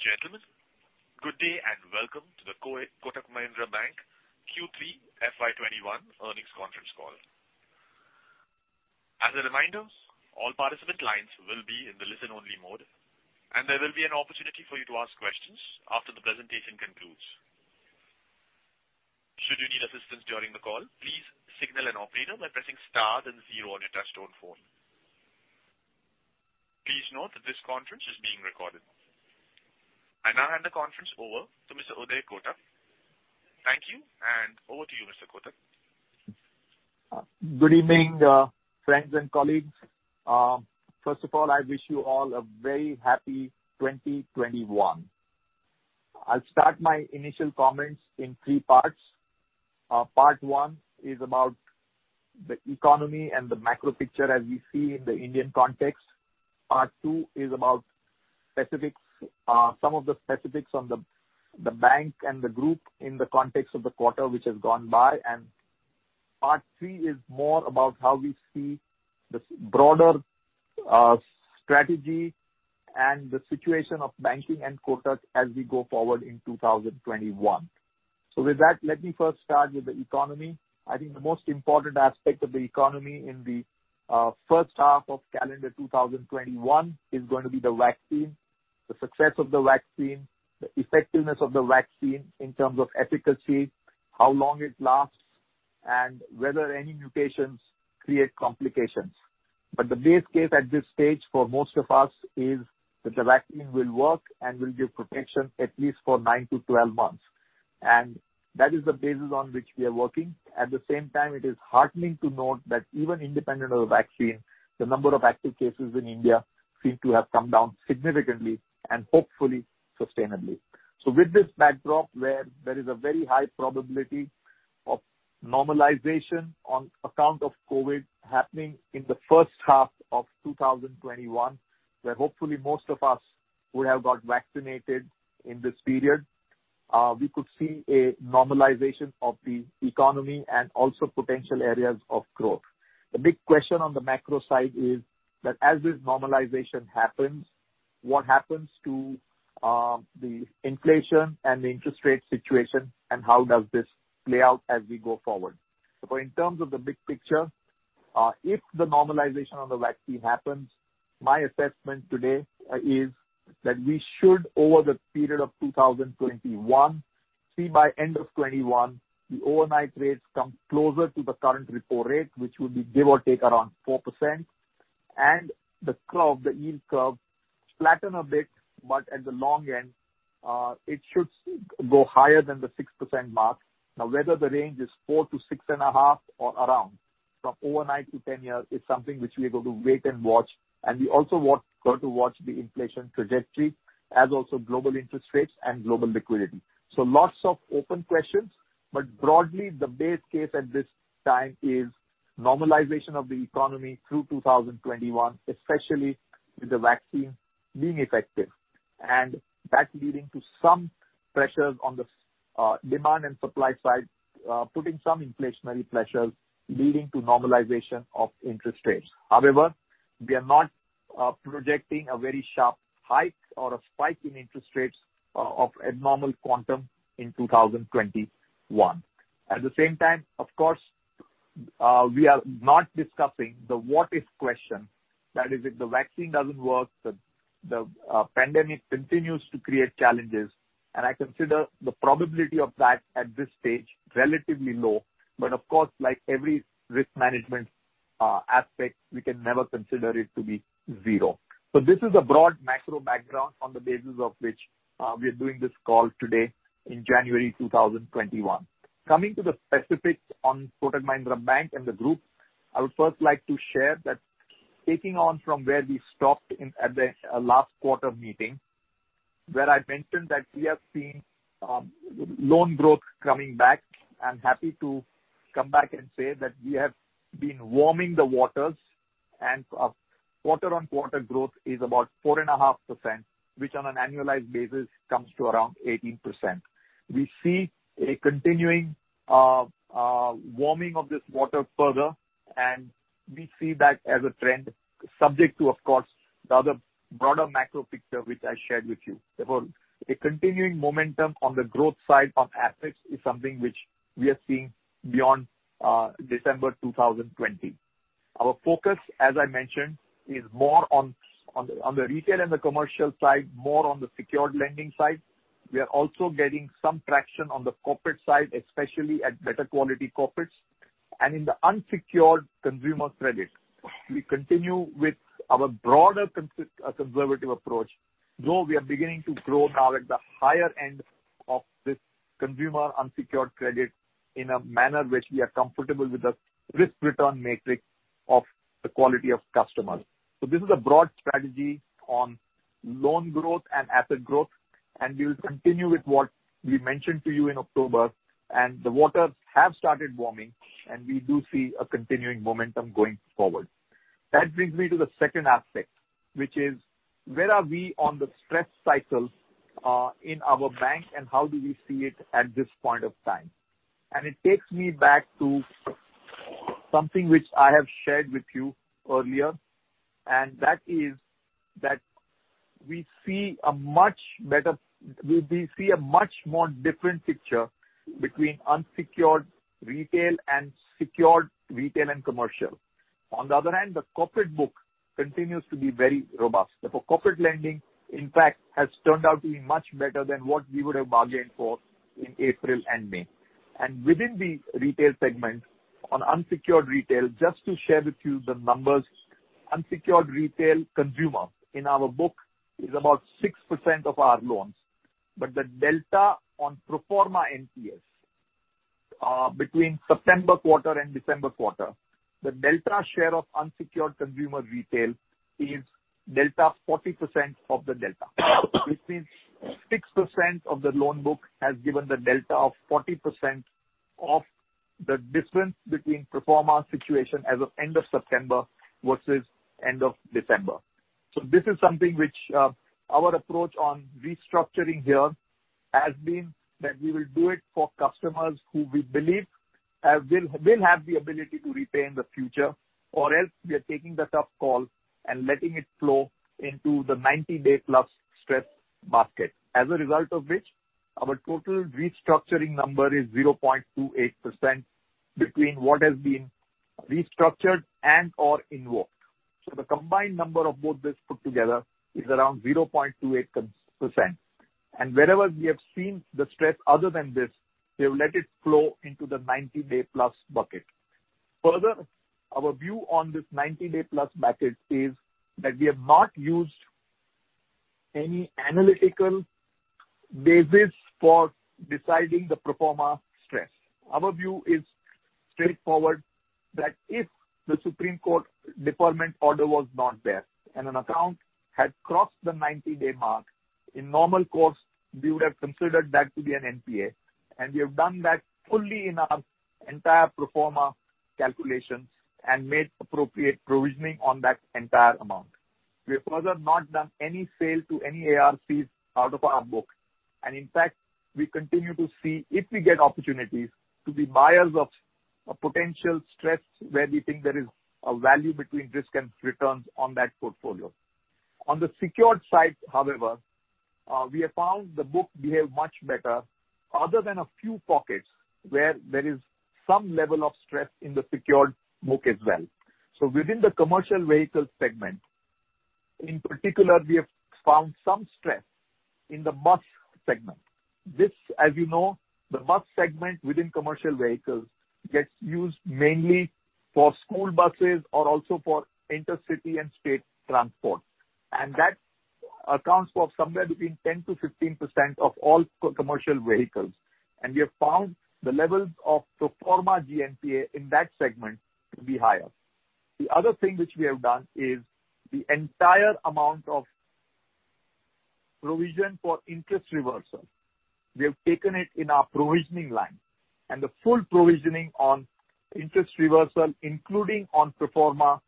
Ladies and gentlemen, good day and welcome to the Kotak Mahindra Bank Q3 FY21 Earnings Conference Call. As a reminder, all participant lines will be in the listen-only mode, and there will be an opportunity for you to ask questions after the presentation concludes. Should you need assistance during the call, please signal an operator by pressing star then zero on your touchtone phone. Please note that this conference is being recorded. I now hand the conference over to Mr. Uday Kotak. Thank you, and over to you, Mr. Kotak. Good evening, friends and colleagues. First of all, I wish you all a very happy twenty twenty-one. I'll start my initial comments in three parts. Part one is about the economy and the macro picture as we see in the Indian context. Part two is about specifics, some of the specifics on the bank and the group in the context of the quarter which has gone by. And part three is more about how we see this broader strategy and the situation of banking and Kotak as we go forward in two thousand twenty-one. So with that, let me first start with the economy. I think the most important aspect of the economy in the first half of calendar 2021 is going to be the vaccine, the success of the vaccine, the effectiveness of the vaccine in terms of efficacy, how long it lasts, and whether any mutations create complications. But the base case at this stage for most of us is that the vaccine will work and will give protection at least for nine to 12 months. And that is the basis on which we are working. At the same time, it is heartening to note that even independent of the vaccine, the number of active cases in India seem to have come down significantly and hopefully sustainably. With this backdrop, where there is a very high probability of normalization on account of COVID happening in the first half of 2021, where hopefully most of us would have got vaccinated in this period, we could see a normalization of the economy and also potential areas of growth. The big question on the macro side is that as this normalization happens, what happens to the inflation and the interest rate situation, and how does this play out as we go forward? In terms of the big picture, if the normalization on the vaccine happens, my assessment today is that we should, over the period of two thousand twenty-one, see by end of twenty one, the overnight rates come closer to the current repo rate, which would be give or take around 4%, and the curve, the yield curve, flatten a bit, but at the long end, it should go higher than the 6% mark. Now, whether the range is 4% to 6.5% or around, from overnight to 10 years, is something which we are going to wait and watch, and we are also going to watch the inflation trajectory as also global interest rates and global liquidity. So lots of open questions, but broadly, the base case at this time is normalization of the economy through two thousand twenty-one, especially with the vaccine being effective, and that leading to some pressures on the demand and supply side, putting some inflationary pressures leading to normalization of interest rates. However, we are not projecting a very sharp hike or a spike in interest rates of abnormal quantum in two thousand twenty-one. At the same time, of course, we are not discussing the what if question, that is, if the vaccine doesn't work, the pandemic continues to create challenges, and I consider the probability of that at this stage relatively low. But of course, like every risk management aspect, we can never consider it to be zero. So this is a broad macro background on the basis of which, we are doing this call today in January two thousand twenty-one. Coming to the specifics on Kotak Mahindra Bank and the group, I would first like to share that taking on from where we stopped in, at the, last quarter meeting, where I mentioned that we have seen, loan growth coming back. I'm happy to come back and say that we have been warming the waters, and, quarter on quarter growth is about 4.5%, which on an annualized basis comes to around 18%. We see a continuing, warming of this water further, and we see that as a trend, subject to, of course, the other broader macro picture which I shared with you. Therefore, a continuing momentum on the growth side on assets is something which we are seeing beyond December 2020. Our focus, as I mentioned, is more on the retail and the commercial side, more on the secured lending side. We are also getting some traction on the corporate side, especially at better quality corporates and in the unsecured consumer credit. We continue with our broader conservative approach, though we are beginning to grow now at the higher end of this consumer unsecured credit in a manner which we are comfortable with the risk/return matrix of the quality of customers. So this is a broad strategy on loan growth and asset growth, and we will continue with what we mentioned to you in October, and the waters have started warming, and we do see a continuing momentum going forward. That brings me to the second aspect, which is: where are we on the stress cycle in our bank, and how do we see it at this point of time? And it takes me back to something which I have shared with you earlier, and that is that we see a much more different picture between unsecured retail and secured retail and commercial. On the other hand, the corporate book continues to be very robust. The corporate lending, in fact, has turned out to be much better than what we would have bargained for in April and May. And within the retail segment, on unsecured retail, just to share with you the numbers, unsecured retail consumer in our book is about 6% of our loans. But the delta on pro forma NPS between September quarter and December quarter, the delta share of unsecured consumer retail is delta 40% of the delta. Which means 6% of the loan book has given the delta of 40% of the difference between pro forma situation as of end of September versus end of December. So this is something which our approach on restructuring here has been that we will do it for customers who we believe will have the ability to repay in the future. Or else, we are taking the tough call and letting it flow into the ninety-day plus stress basket. As a result of which, our total restructuring number is 0.28% between what has been restructured and/or invoked. So the combined number of both this put together is around 0.28%. And wherever we have seen the stress other than this, we have let it flow into the ninety-day plus bucket. Further, our view on this ninety-day plus bucket is that we have not used any analytical basis for deciding the pro forma stress. Our view is straightforward, that if the Supreme Court deferment order was not there and an account had crossed the ninety-day mark, in normal course, we would have considered that to be an NPA, and we have done that fully in our entire pro forma calculations and made appropriate provisioning on that entire amount. We have further not done any sale to any ARCs out of our book, and in fact, we continue to see if we get opportunities to be buyers of a potential stress where we think there is a value between risk and returns on that portfolio. On the secured side, however, we have found the book behaved much better other than a few pockets where there is some level of stress in the secured book as well. So within the commercial vehicle segment, in particular, we have found some stress in the bus segment. This, as you know, the bus segment within commercial vehicles gets used mainly for school buses or also for intercity and state transport, and that accounts for somewhere between 10%-15% of all commercial vehicles. And we have found the levels of pro forma GNPA in that segment to be higher. The other thing which we have done is the entire amount of provision for interest reversal. We have taken it in our provisioning line, and the full provisioning on interest reversal, including on pro forma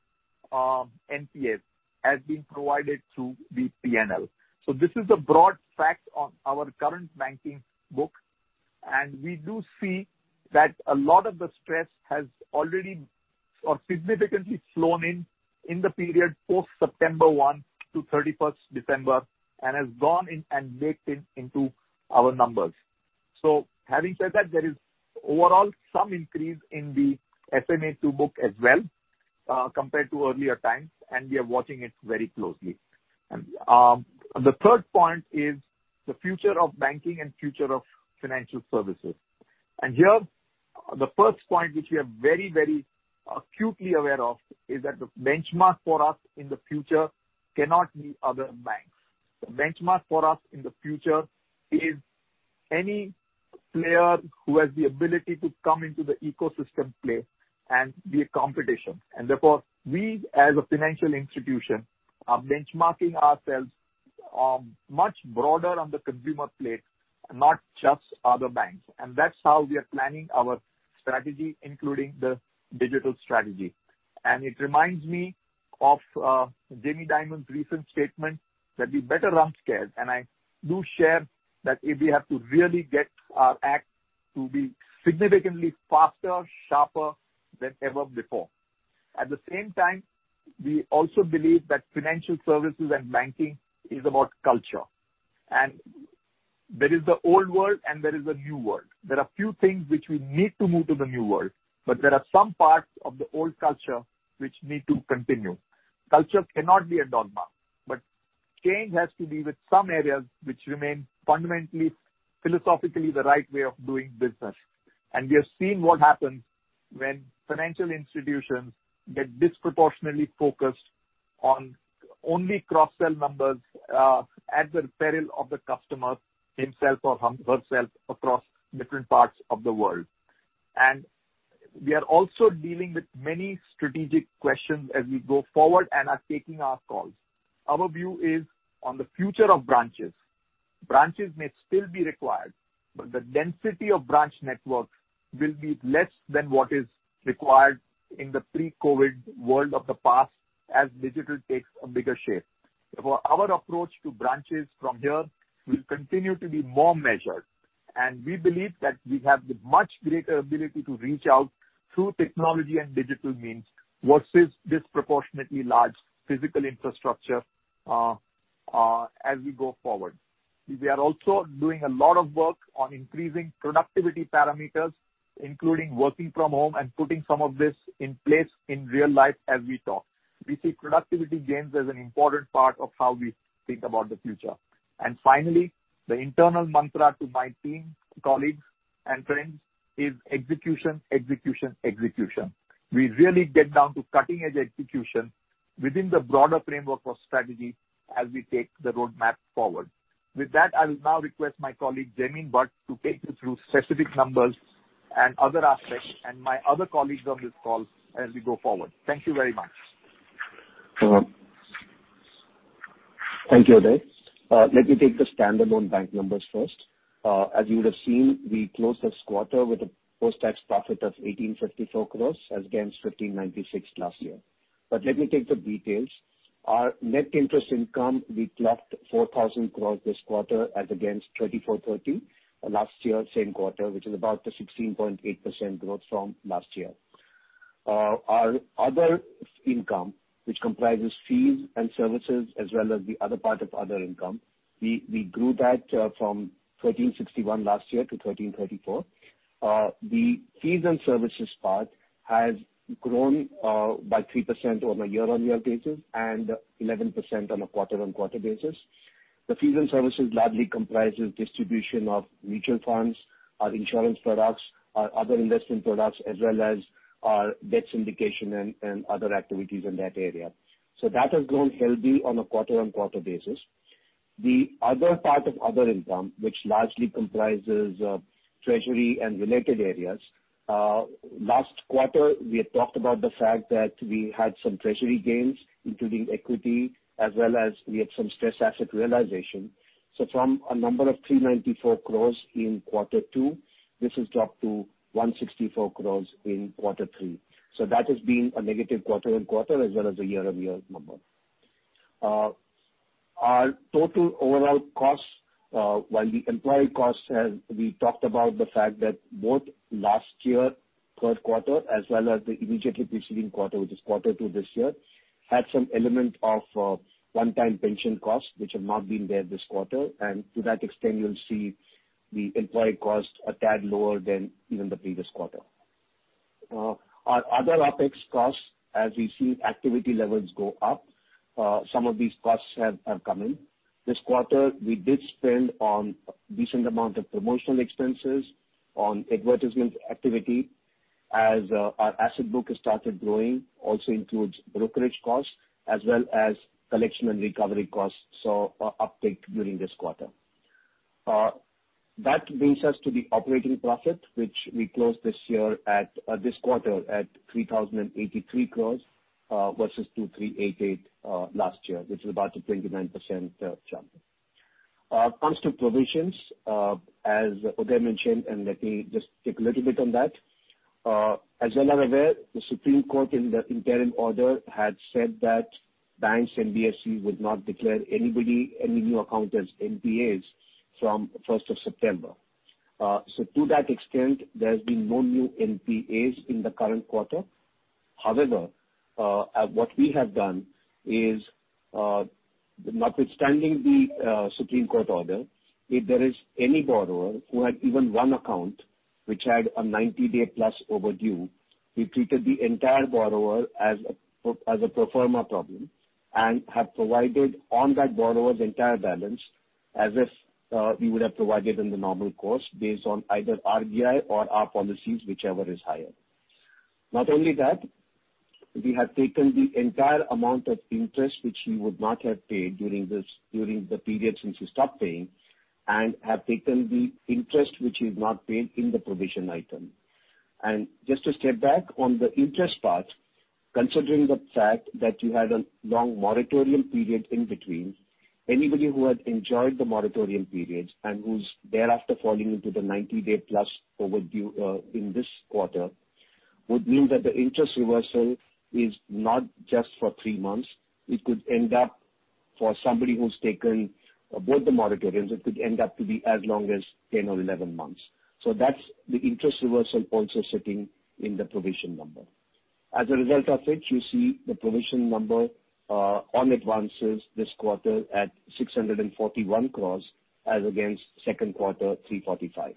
NPAs, has been provided through the P&L. This is the broad fact on our current banking book, and we do see that a lot of the stress has already or significantly flown in, in the period post September one to thirty-first December, and has gone in and baked in into our numbers. Having said that, there is overall some increase in the SMA 2 book as well, compared to earlier times, and we are watching it very closely. The third point is the future of banking and future of financial services. Here, the first point, which we are very, very acutely aware of, is that the benchmark for us in the future cannot be other banks. The benchmark for us in the future is any player who has the ability to come into the ecosystem play and be a competition. And therefore, we, as a financial institution, are benchmarking ourselves, much broader on the consumer play, not just other banks. And that's how we are planning our strategy, including the digital strategy. And it reminds me of, Jamie Dimon's recent statement, that we better run scared, and I do share that we have to really get our act to be significantly faster, sharper than ever before. At the same time, we also believe that financial services and banking is about culture, and there is the old world and there is a new world. There are few things which we need to move to the new world, but there are some parts of the old culture which need to continue. Culture cannot be a dogma, but change has to be with some areas which remain fundamentally, philosophically, the right way of doing business. And we have seen what happens when financial institutions get disproportionately focused on only cross-sell numbers, at the peril of the customer himself or him- herself across different parts of the world. And we are also dealing with many strategic questions as we go forward and are taking our calls. Our view is on the future of branches. Branches may still be required, but the density of branch networks will be less than what is required in the pre-COVID world of the past, as digital takes a bigger share.... So our approach to branches from here will continue to be more measured, and we believe that we have the much greater ability to reach out through technology and digital means versus disproportionately large physical infrastructure, as we go forward. We are also doing a lot of work on increasing productivity parameters, including working from home and putting some of this in place in real life as we talk. We see productivity gains as an important part of how we think about the future. And finally, the internal mantra to my team, colleagues, and friends, is execution, execution, execution. We really get down to cutting-edge execution within the broader framework of strategy as we take the roadmap forward. With that, I will now request my colleague, Jaimin Bhatt, to take you through specific numbers and other aspects, and my other colleagues on this call as we go forward. Thank you very much. Thank you, Uday. Let me take the standalone bank numbers first. As you would have seen, we closed this quarter with a post-tax profit of 1,854 crores as against 1,596 last year. But let me take the details. Our net interest income, we clocked 4,000 crores this quarter as against 2,430 last year, same quarter, which is about a 16.8% growth from last year. Our other income, which comprises fees and services as well as the other part of other income, we grew that from 1,361 last year to 1,334. The fees and services part has grown by 3% on a year-on-year basis and 11% on a quarter-on-quarter basis. The fees and services largely comprises distribution of mutual funds, our insurance products, our other investment products, as well as our debt syndication and other activities in that area. So that has grown healthy on a quarter-on-quarter basis. The other part of other income, which largely comprises of treasury and related areas, last quarter, we had talked about the fact that we had some treasury gains, including equity, as well as we had some stress asset realization. So from a number of 394 crores in quarter two, this has dropped to 164 crores in quarter three. So that has been a negative quarter on quarter as well as a year-on-year number. Our total overall costs, while the employee costs, as we talked about the fact that both last year, third quarter, as well as the immediately preceding quarter, which is quarter two this year, had some element of one-time pension costs, which have not been there this quarter, and to that extent, you'll see the employee cost a tad lower than even the previous quarter. Our other OpEx costs, as we see activity levels go up, some of these costs have come in. This quarter, we did spend on a decent amount of promotional expenses on advertisement activity as our asset book has started growing, also includes brokerage costs as well as collection and recovery costs, so uptake during this quarter. That brings us to the operating profit, which we closed this year at, this quarter at 3,083 crores, versus 2,388 last year, which is about a 29% jump. Comes to provisions, as Uday mentioned, and let me just take a little bit on that. As you are aware, the Supreme Court in the interim order had said that banks and NBFCs would not declare anybody, any new account as NPAs from first of September. So to that extent, there has been no new NPAs in the current quarter. However, what we have done is, notwithstanding the Supreme Court order, if there is any borrower who had even one account which had a ninety-day plus overdue, we treated the entire borrower as a pro forma problem and have provided on that borrower's entire balance, as if we would have provided in the normal course, based on either RBI or our policies, whichever is higher. Not only that, we have taken the entire amount of interest, which he would not have paid during this, during the period since he stopped paying, and have taken the interest which he's not paid in the provision item. And just to step back on the interest part, considering the fact that you had a long moratorium period in between, anybody who had enjoyed the moratorium period and who's thereafter falling into the 90-day plus overdue in this quarter, would mean that the interest reversal is not just for three months. It could end up, for somebody who's taken both the moratoriums, it could end up to be as long as 10 or 11 months. So that's the interest reversal also sitting in the provision number. As a result of which, you see the provision number on advances this quarter at 641 crores, as against second quarter, 345.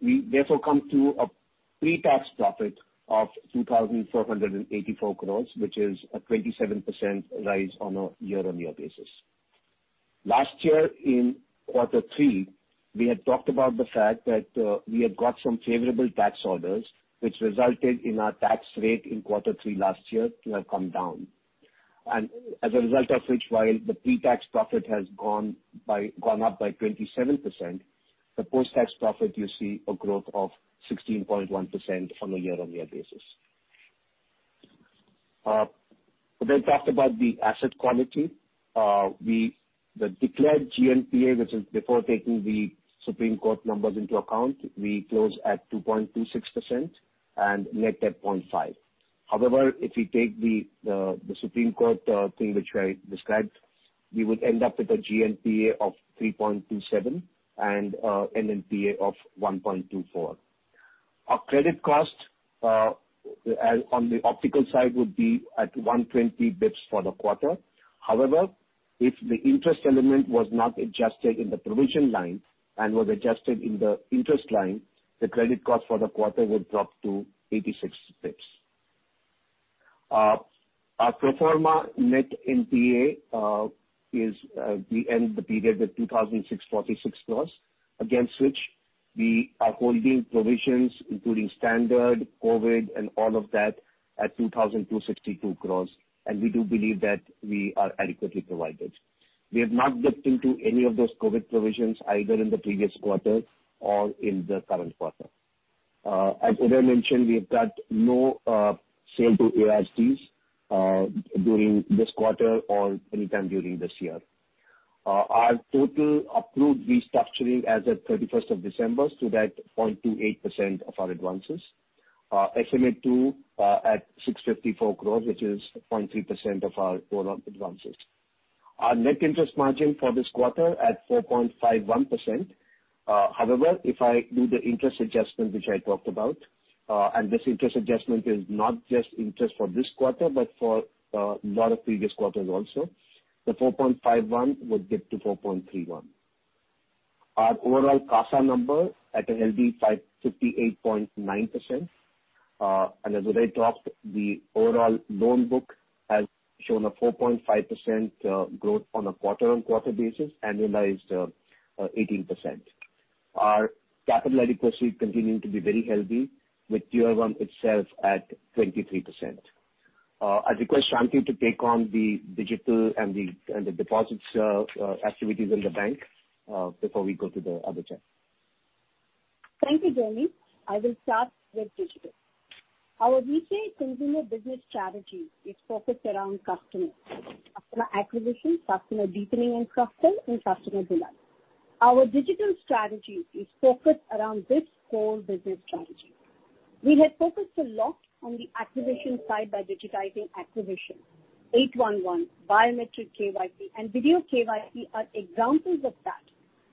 We therefore come to a pre-tax profit of 2,484 crores, which is a 27% rise on a year-on-year basis. Last year, in quarter three, we had talked about the fact that we had got some favorable tax orders, which resulted in our tax rate in quarter three last year to have come down. As a result of which, while the pre-tax profit has gone up by 27%, the post-tax profit, you see a growth of 16.1% on a year-on-year basis. Uday talked about the asset quality. We, the declared GNPA, which is before taking the Supreme Court numbers into account, we close at 2.26% and net at 0.5%. However, if you take the Supreme Court thing which I described, we would end up with a GNPA of 3.27% and NNPA of 1.24%. Our credit cost, as on the overall side, would be at 120 basis points for the quarter. However, if the interest element was not adjusted in the provision line and was adjusted in the interest line, the credit cost for the quarter would drop to 86 basis points. Our pro forma net NPA is, we end the period with 2,646 crores, against which we are holding provisions, including standard, COVID, and all of that, at 2,262 crores, and we do believe that we are adequately provided. We have not dipped into any of those COVID provisions, either in the previous quarter or in the current quarter. As Uday mentioned, we've got no sale to ARCs during this quarter or anytime during this year. Our total approved restructuring as at thirty-first of December stood at 0.28% of our advances, estimated to 654 crores, which is 0.3% of our overall advances. Our net interest margin for this quarter at 4.51%. However, if I do the interest adjustment, which I talked about, and this interest adjustment is not just interest for this quarter, but for lot of previous quarters also, the 4.51% would dip to 4.31%. Our overall CASA number at a healthy 58.9%, and as Uday talked, the overall loan book has shown a 4.5% growth on a quarter on quarter basis, annualized 18%. Our capital adequacy continuing to be very healthy, with Tier 1 itself at 23%. I request Shanti to take on the digital and the deposits activities in the bank before we go to the other chat. Thank you, Jamie. I will start with digital. Our retail consumer business strategy is focused around customer, customer acquisition, customer deepening and cross-sell, and customer delight. Our digital strategy is focused around this core business strategy. We have focused a lot on the acquisition side by digitizing acquisition. Eight, one, one biometric KYC and video KYC are examples of that,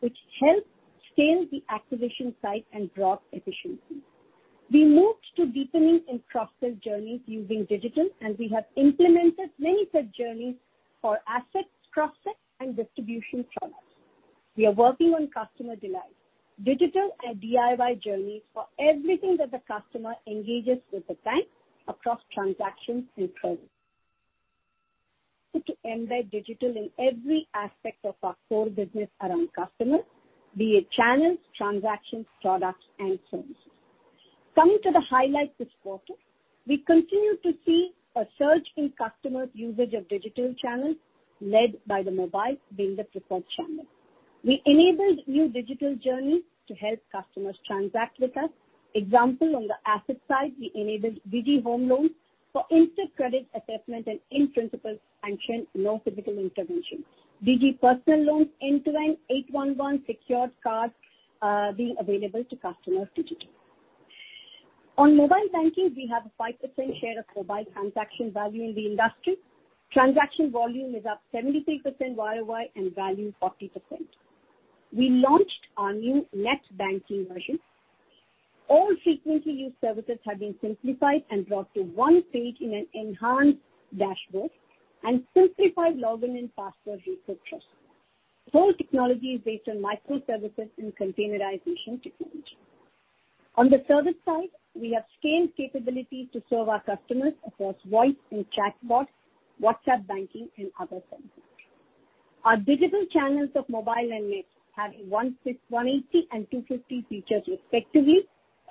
which help scale the acquisition side and drive efficiency. We moved to deepening and cross-sell journeys using digital, and we have implemented many such journeys for assets, cross-sell, and distribution products. We are working on customer delight, digital and DIY journeys for everything that the customer engages with the bank across transactions and products. To embed digital in every aspect of our core business around customers, be it channels, transactions, products, and services. Coming to the highlights this quarter, we continue to see a surge in customers' usage of digital channels, led by the mobile being the preferred channel. We enabled new digital journeys to help customers transact with us. Example, on the asset side, we enabled Digi Home Loans for instant credit assessment and in-principle sanction, no physical intervention. Digi Personal Loans, end-to-end eight, 811 secured cards, being available to customers digitally. On mobile banking, we have a 5% share of mobile transaction value in the industry. Transaction volume is up 73% YOY and value, 40%. We launched our new NetBanking version. All frequently used services have been simplified and brought to one page in an enhanced dashboard and simplified login and password reset process. Whole technology is based on microservices and containerization technology. On the service side, we have scaled capability to serve our customers across voice and chatbots, WhatsApp banking, and other channels. Our digital channels of mobile and net have 160, 180, and 250 features respectively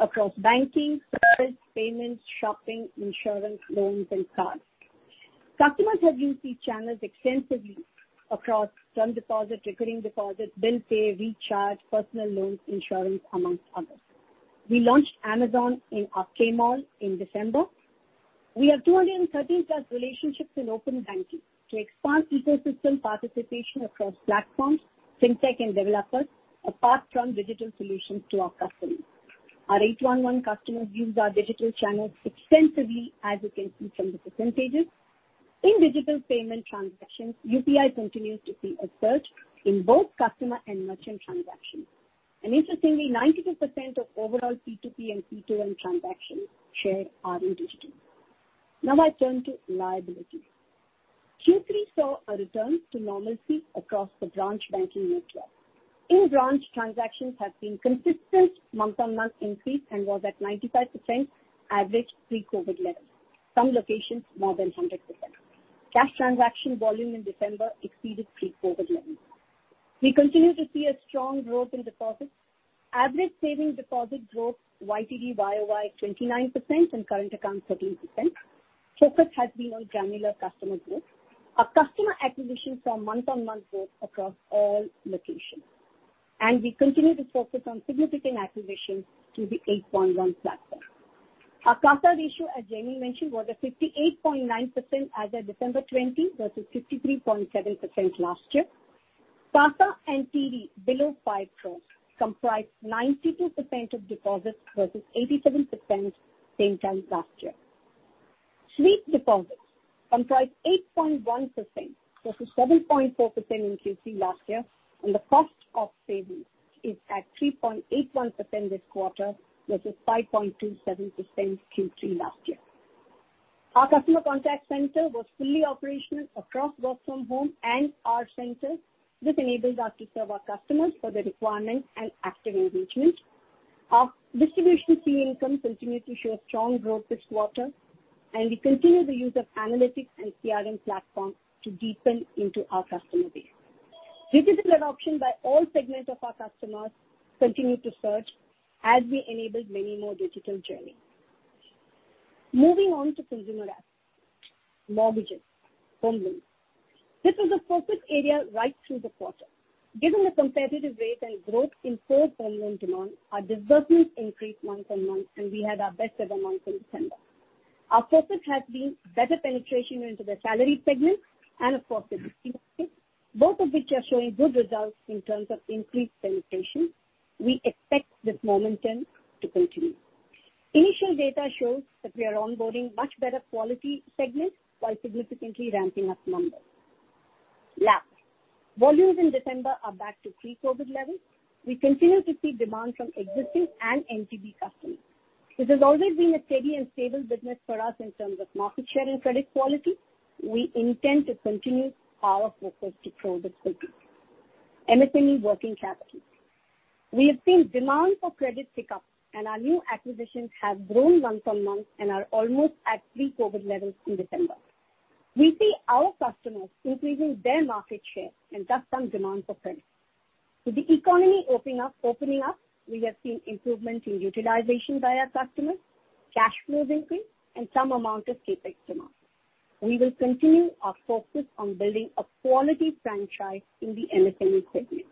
across banking, payments, shopping, insurance, loans, and cards. Customers have used these channels extensively across term deposit, recurring deposit, bill pay, recharge, personal loans, insurance, among others. We launched Amazon in our KayMall in December. We have 230-plus relationships in open banking to expand ecosystem participation across platforms, fintech, and developers, apart from digital solutions to our customers. Our 811 customers use our digital channels extensively, as you can see from the percentages. In digital payment transactions, UPI continues to see a surge in both customer and merchant transactions, and interestingly, 92% of overall P2P and P2M transaction share are in digital. Now I turn to liabilities. Q3 saw a return to normalcy across the branch banking network. In-branch transactions have seen consistent month-on-month increase and was at 95% average pre-COVID levels, some locations more than 100%. Cash transaction volume in December exceeded pre-COVID levels. We continue to see a strong growth in deposits. Average savings deposit growth YTD YOY 29%, and current account 13%. Focus has been on granular customer growth. Our customer acquisitions saw month-on-month growth across all locations, and we continue to focus on significant acquisition through the 811 platform.... Our CASA ratio, as Jamie mentioned, was at 58.9% as of December twenty, versus 53.7% last year. CASA and TD below five crores comprised 92% of deposits versus 87% same time last year. Sweep deposits comprise 8.1% versus 7.4% in Q3 last year, and the cost of savings is at 3.81% this quarter versus 5.27% Q3 last year. Our customer contact center was fully operational across work from home and our centers. This enables us to serve our customers for their requirements and active engagement. Our distribution fee income continued to show a strong growth this quarter, and we continue the use of analytics and CRM platform to deepen into our customer base. Digital adoption by all segments of our customers continued to surge as we enabled many more digital journeys. Moving on to consumer assets. Mortgages, home loans. This was a focused area right through the quarter. Given the competitive rate and growth in core home loan demand, our disbursements increased month on month, and we had our best ever month in December. Our focus has been better penetration into the salaried segment and, of course, the self-employed, both of which are showing good results in terms of increased penetration. We expect this momentum to continue. Initial data shows that we are onboarding much better quality segments while significantly ramping up numbers. LAP volumes in December are back to pre-COVID levels. We continue to see demand from existing and NTB customers. This has always been a steady and stable business for us in terms of market share and credit quality. We intend to continue our focus to grow this business. MSME working capital. We have seen demand for credit pick up, and our new acquisitions have grown month on month and are almost at pre-COVID levels in December. We see our customers increasing their market share and thus some demand for credit. With the economy opening up, we have seen improvement in utilization by our customers, cash flows increase, and some amount of CapEx demand. We will continue our focus on building a quality franchise in the MSME segment.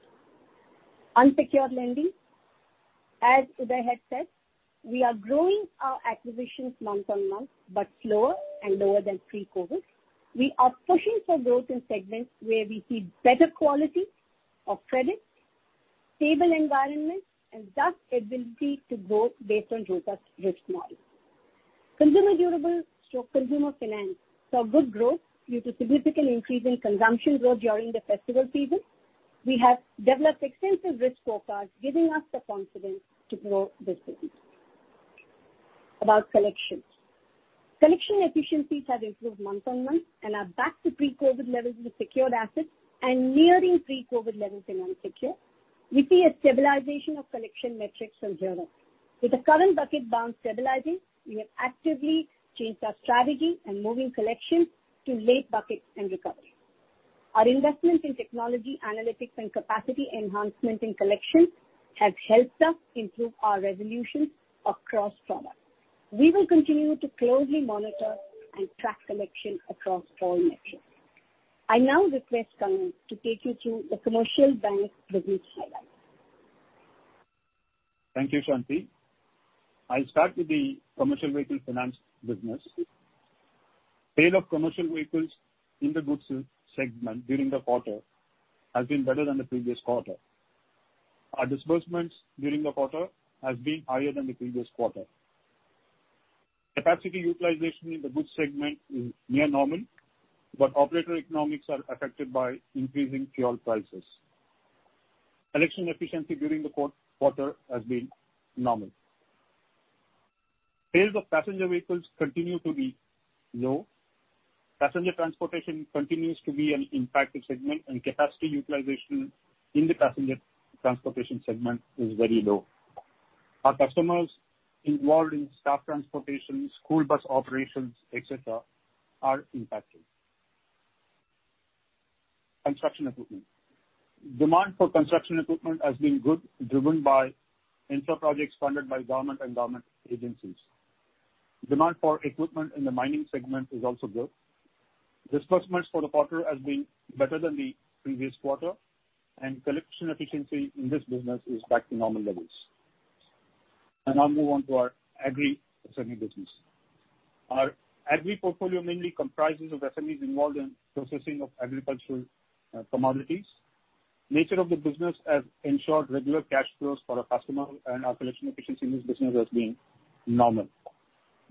Unsecured lending. As Uday had said, we are growing our acquisitions month on month, but slower and lower than pre-COVID. We are pushing for growth in segments where we see better quality of credit, stable environment, and thus ability to grow based on RBI's risk model. Consumer durables/consumer finance saw good growth due to significant increase in consumption growth during the festival season. We have developed extensive risk profiles, giving us the confidence to grow this business. About collections. Collection efficiencies have improved month on month and are back to pre-COVID levels in secured assets and nearing pre-COVID levels in unsecured. We see a stabilization of collection metrics from here on. With the current bucket balance stabilizing, we have actively changed our strategy and moving collections to late buckets and recovery. Our investment in technology, analytics, and capacity enhancement in collections has helped us improve our resolution across products. We will continue to closely monitor and track collection across all metrics. I now request Kannan to take you through the commercial bank business highlights. Thank you, Shanti. I'll start with the commercial vehicle finance business. Sale of commercial vehicles in the goods segment during the quarter has been better than the previous quarter. Our disbursements during the quarter has been higher than the previous quarter. Capacity utilization in the goods segment is near normal, but operator economics are affected by increasing fuel prices. Collection efficiency during the quarter has been normal. Sales of passenger vehicles continue to be low. Passenger transportation continues to be an impacted segment, and capacity utilization in the passenger transportation segment is very low. Our customers involved in staff transportation, school bus operations, et cetera, are impacted. Construction equipment. Demand for construction equipment has been good, driven by infra projects funded by government and government agencies. Demand for equipment in the mining segment is also good. Disbursements for the quarter has been better than the previous quarter, and collection efficiency in this business is back to normal levels. I now move on to our agri SME business. Our agri portfolio mainly comprises of SMEs involved in processing of agricultural commodities. Nature of the business has ensured regular cash flows for our customer and our collection efficiency in this business has been normal.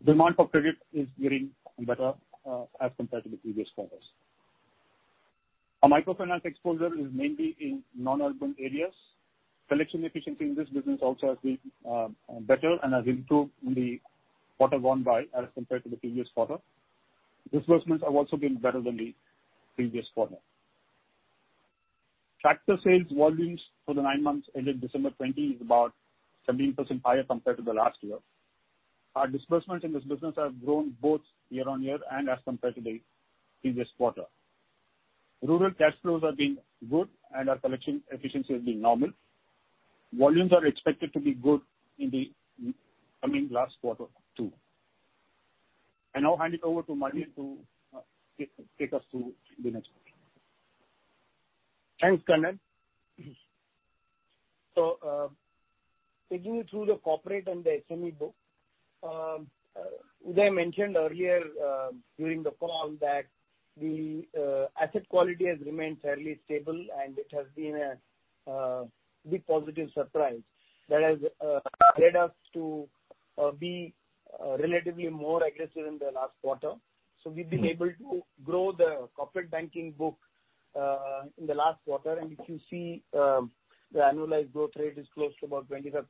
Demand for credit is getting better as compared to the previous quarters. Our microfinance exposure is mainly in non-urban areas. Collection efficiency in this business also has been better and has improved in the quarter gone by as compared to the previous quarter. Disbursements have also been better than the previous quarter. Tractor sales volumes for the nine months ended December 2020 is about 17% higher compared to the last year. Our disbursements in this business have grown both year on year and as compared to the previous quarter. Rural cash flows are being good, and our collection efficiency is being normal. Volumes are expected to be good in the coming last quarter, too. I now hand it over to Manian to take us through the next part. Thanks, Kannan. So, taking you through the corporate and the SME book, Uday mentioned earlier during the call that the asset quality has remained fairly stable, and it has been a big positive surprise that has led us to be relatively more aggressive in the last quarter. So we've been able to grow the corporate banking book in the last quarter. And if you see, the annualized growth rate is close to about 25%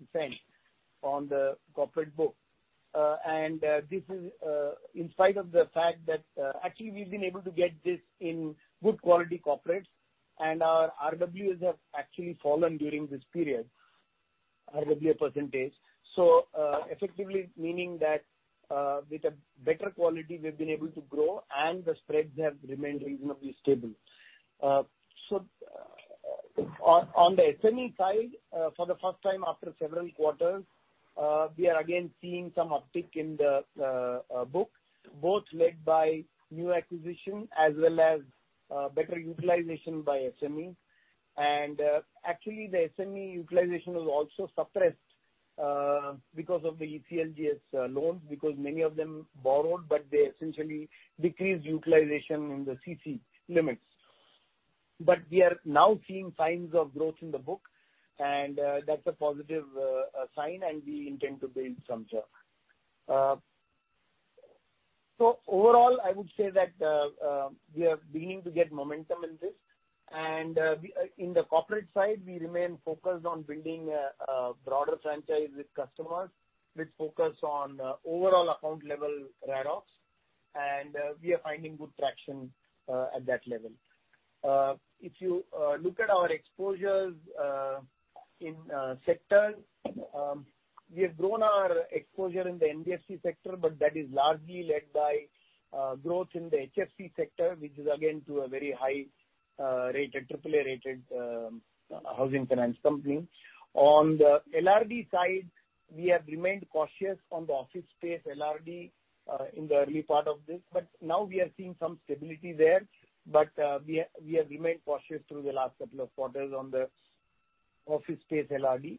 on the corporate book. And this is in spite of the fact that actually, we've been able to get this in good quality corporates, and our RWAs have actually fallen during this period, RWA percentage. So, effectively meaning that with a better quality, we've been able to grow and the spreads have remained reasonably stable. So on the SME side, for the first time after several quarters, we are again seeing some uptick in the book, both led by new acquisition as well as better utilization by SME. And actually, the SME utilization was also suppressed because of the ECLGS loans, because many of them borrowed, but they essentially decreased utilization in the CC limits. But we are now seeing signs of growth in the book, and that's a positive sign, and we intend to build some there. So overall, I would say that we are beginning to get momentum in this. And in the corporate side, we remain focused on building a broader franchise with customers, with focus on overall account level write-offs, and we are finding good traction at that level. If you look at our exposures in sectors, we have grown our exposure in the NBFC sector, but that is largely led by growth in the HFC sector, which is again to a very high rated, triple A rated, housing finance company. On the LRD side, we have remained cautious on the office space LRD in the early part of this, but now we are seeing some stability there. We have remained cautious through the last couple of quarters on the office space LRD.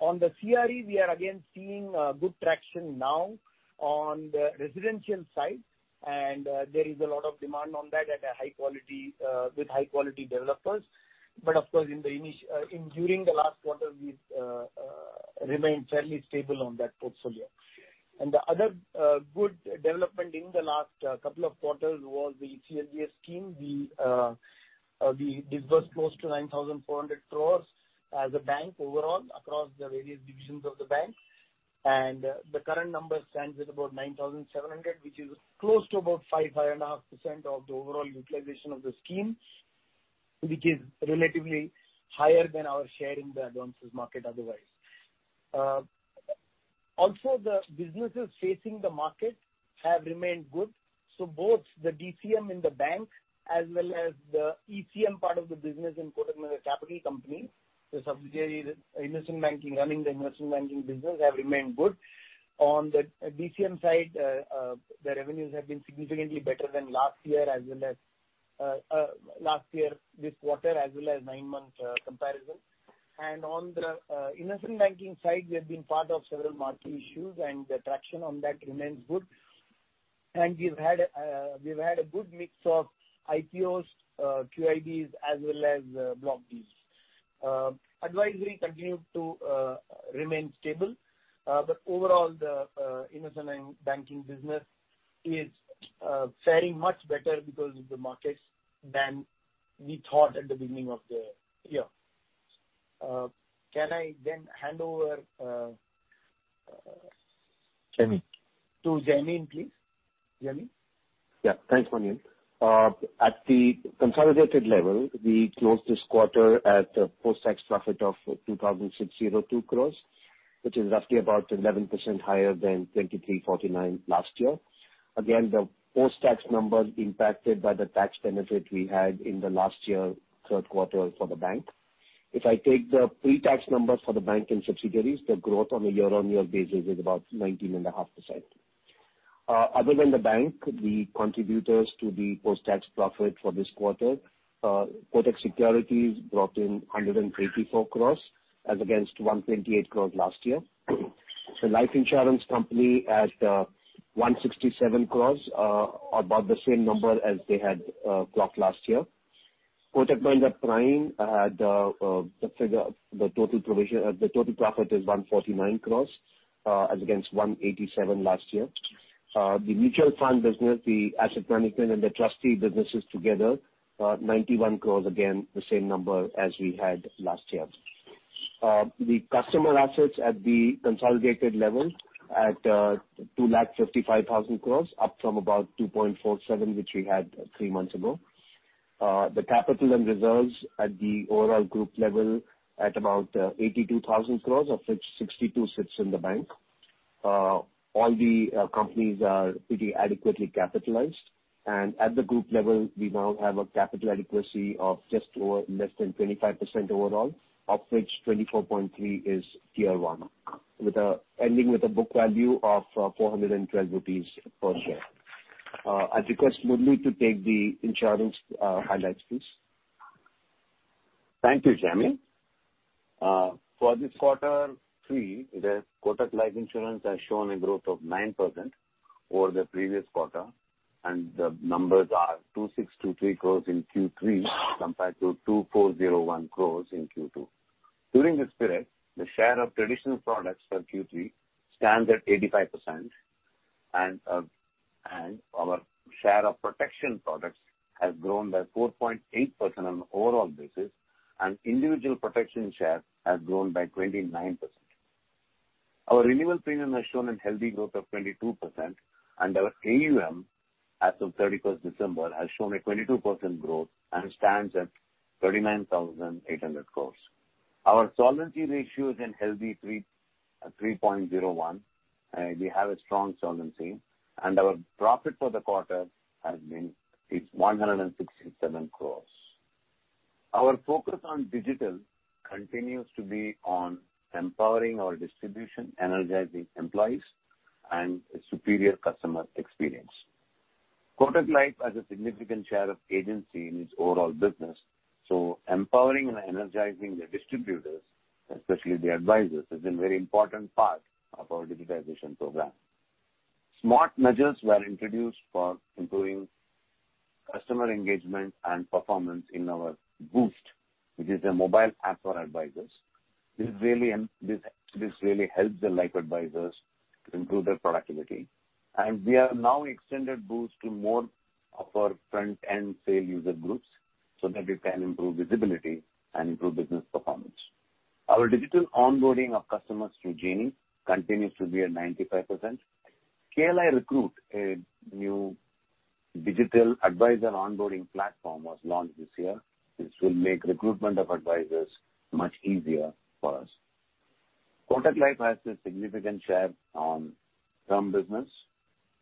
On the CRE, we are again seeing good traction now on the residential side, and there is a lot of demand on that at a high quality with high-quality developers. But of course, during the last quarter, we've remained fairly stable on that portfolio. And the other good development in the last couple of quarters was the ECLGS scheme. We dispersed close to 9,400 crore as a bank overall across the various divisions of the bank. And the current number stands at about 9,700 crore, which is close to about 5-5.5% of the overall utilization of the scheme, which is relatively higher than our share in the advances market otherwise. Also, the businesses facing the market have remained good, so both the DCM and the bank, as well as the ECM part of the business in Kotak Mahindra Capital Company, the subsidiary, investment banking, running the investment banking business, have remained good. On the DCM side, the revenues have been significantly better than last year, as well as last year, this quarter, as well as nine-month comparison. And on the investment banking side, we have been part of several market issues, and the traction on that remains good. And we've had a good mix of IPOs, QIBs, as well as block deals. Advisory continued to remain stable, but overall, the investment banking business is fairly much better because of the markets than we thought at the beginning of the year. Can I then hand over? Jaimin. To Jaimin, please? Jaimin. Yeah. Thanks, Manian. At the consolidated level, we closed this quarter at a post-tax profit of 2,602 crores, which is roughly about 11% higher than 2,349 last year. Again, the post-tax number is impacted by the tax benefit we had in the last year, third quarter for the bank. If I take the pre-tax numbers for the bank and subsidiaries, the growth on a year-on-year basis is about 19.5%. Other than the bank, the contributors to the post-tax profit for this quarter, Kotak Securities brought in 184 crores, as against 128 crores last year. The life insurance company at 167 crores, about the same number as they had clocked last year. Kotak Mahindra Prime had the figure, the total provision, the total profit is 149 crores as against 187 last year. The mutual fund business, the asset management and the trustee businesses together 91 crores, again, the same number as we had last year. The customer assets at the consolidated level at 2.55 lakh crores, up from about 2.47, which we had three months ago. The capital and reserves at the overall group level at about 82,000 crores, of which 62 sits in the bank. All the companies are pretty adequately capitalized, and at the group level, we now have a capital adequacy of just over less than 25% overall, of which 24.3 is Tier 1, ending with a book value of 412 rupees per share. I request Murlidhar to take the insurance highlights, please. Thank you, Jaimin. For this quarter three, the Kotak Life Insurance has shown a growth of 9% over the previous quarter, and the numbers are 2,623 crores in Q3, compared to 2,401 crores in Q2. During this period, the share of traditional products for Q3 stands at 85%, and our share of protection products has grown by 4.8% on an overall basis, and individual protection share has grown by 29%. Our renewal premium has shown a healthy growth of 22%, and our AUM, as of thirty-first December, has shown a 22% growth and stands at 39,800 crores. Our solvency ratio is a healthy 3.01, and we have a strong solvency, and our profit for the quarter is 167 crores. Our focus on digital continues to be on empowering our distribution, energizing employees, and a superior customer experience. Kotak Life has a significant share of agency in its overall business, so empowering and energizing the distributors, especially the advisors, is a very important part of our digitization program. Smart measures were introduced for improving customer engagement and performance in our Boost, which is a mobile app for advisors. This really helps the life advisors to improve their productivity, and we have now extended Boost to more of our front and sale user groups so that it can improve visibility and improve business performance. Our digital onboarding of customers through Genie continues to be at 95%. KLI Recruit, a new digital advisor onboarding platform, was launched this year. This will make recruitment of advisors much easier for us. Kotak Life has a significant share in term business,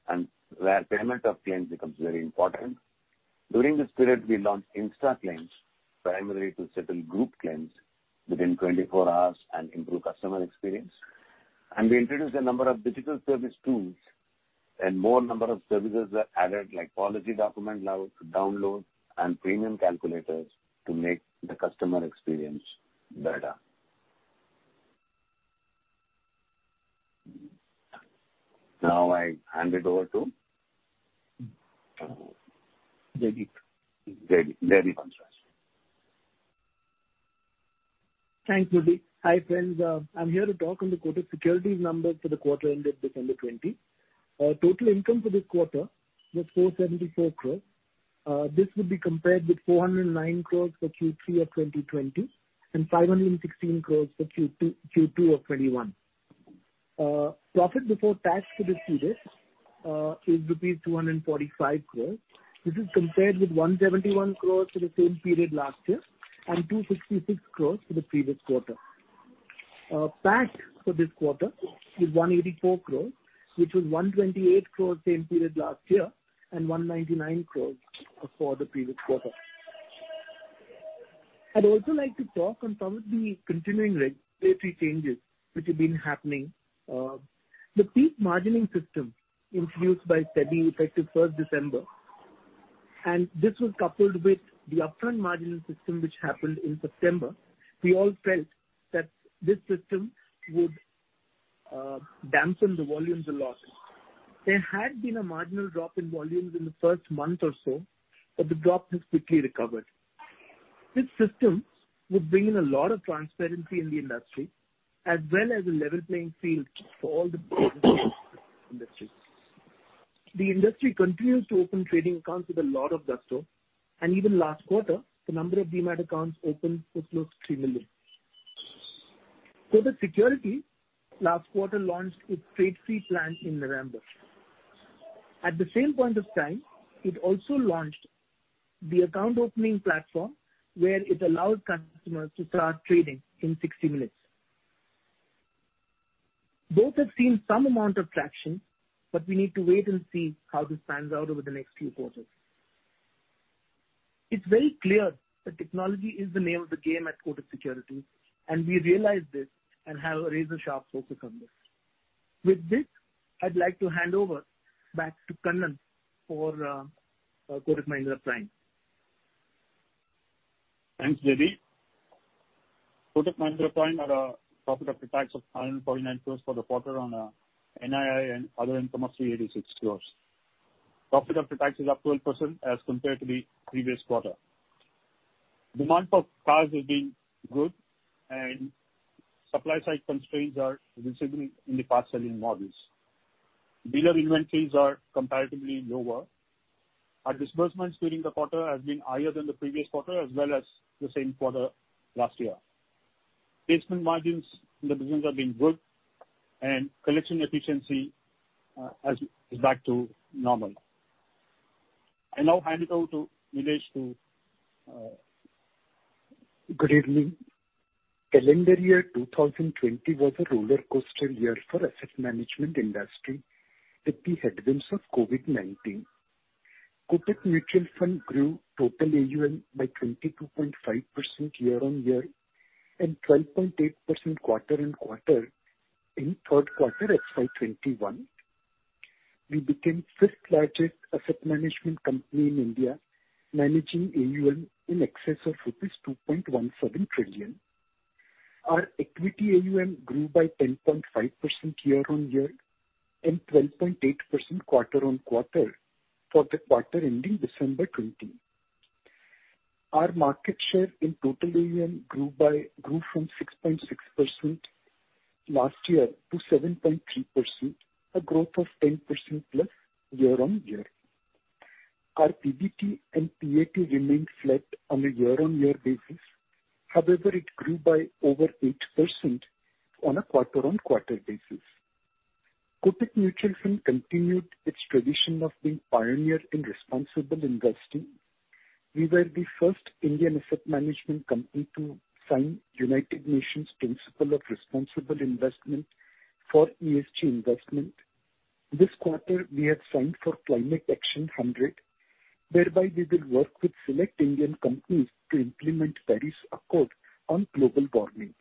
and where payment of claims becomes very important. During this period, we launched Insta Claims, primarily to settle group claims within twenty-four hours and improve customer experience. And we introduced a number of digital service tools, and more number of services were added, like policy document upload, download, and premium calculators to make the customer experience better. Now I hand it over to- Jaideep. Jaideep, Jaideep Hansraj. Thanks, Murlidhar. Hi, friends. I'm here to talk on the Kotak Securities numbers for the quarter ended December 2020. Total income for this quarter was 474 crores. This would be compared with 409 crores for Q3 of 2020, and 516 crores for Q2 of 2021. Profit before tax for this period is rupees 245 crores. This is compared with 171 crores for the same period last year, and 266 crores for the previous quarter. Tax for this quarter is 184 crores, which was 128 crores same period last year, and 199 crores for the previous quarter. I'd also like to talk on some of the continuing regulatory changes which have been happening. The peak margining system introduced by SEBI, effective first December, and this was coupled with the upfront margining system which happened in September. We all felt that this system would dampen the volumes a lot. There had been a marginal drop in volumes in the first month or so, but the drop has quickly recovered. This system would bring in a lot of transparency in the industry, as well as a level playing field for all the industry. The industry continues to open trading accounts with a lot of gusto, and even last quarter, the number of demat accounts opened was close to 3 million. So Kotak Securities last quarter launched its Trade Free Plan in November. At the same point of time, it also launched the account opening platform, where it allowed customers to start trading in 60 minutes. Both have seen some amount of traction, but we need to wait and see how this pans out over the next few quarters. It's very clear that technology is the name of the game at Kotak Securities, and we realize this and have a razor-sharp focus on this. With this, I'd like to hand over back to Kannan for Kotak Mahindra Prime. Thanks, Jaideep. Kotak Mahindra Prime had a profit after tax of 949 crores for the quarter on NII and other income of 386 crores. Profit after tax is up 12% as compared to the previous quarter. Demand for cars has been good, and supply side constraints are receding in the four selling models. Dealer inventories are comparatively lower. Our disbursements during the quarter have been higher than the previous quarter, as well as the same quarter last year. Payment margins in the business have been good, and collection efficiency is back to normal. I now hand it over to Nilesh to... Good evening. Calendar year two thousand and twenty was a rollercoaster year for asset management industry with the headwinds of COVID-19. Kotak Mutual Fund grew total AUM by 22.5% year on year, and 12.8% quarter on quarter in third quarter FY 2021. We became fifth largest asset management company in India, managing AUM in excess of rupees 2.17 trillion. Our equity AUM grew by 10.5% year on year and 12.8% quarter on quarter for the quarter ending December 2020. Our market share in total AUM grew from 6.6% last year to 7.3%, a growth of 10% plus year on year. Our PBT and PAT remained flat on a year-on-year basis. However, it grew by over 8% on a quarter-on-quarter basis. Kotak Mutual Fund continued its tradition of being pioneer in responsible investing. We were the first Indian asset management company to sign United Nations Principles for Responsible Investment for ESG investment. This quarter, we have signed Climate Action 100+, whereby we will work with select Indian companies to implement Paris Accord on global warming.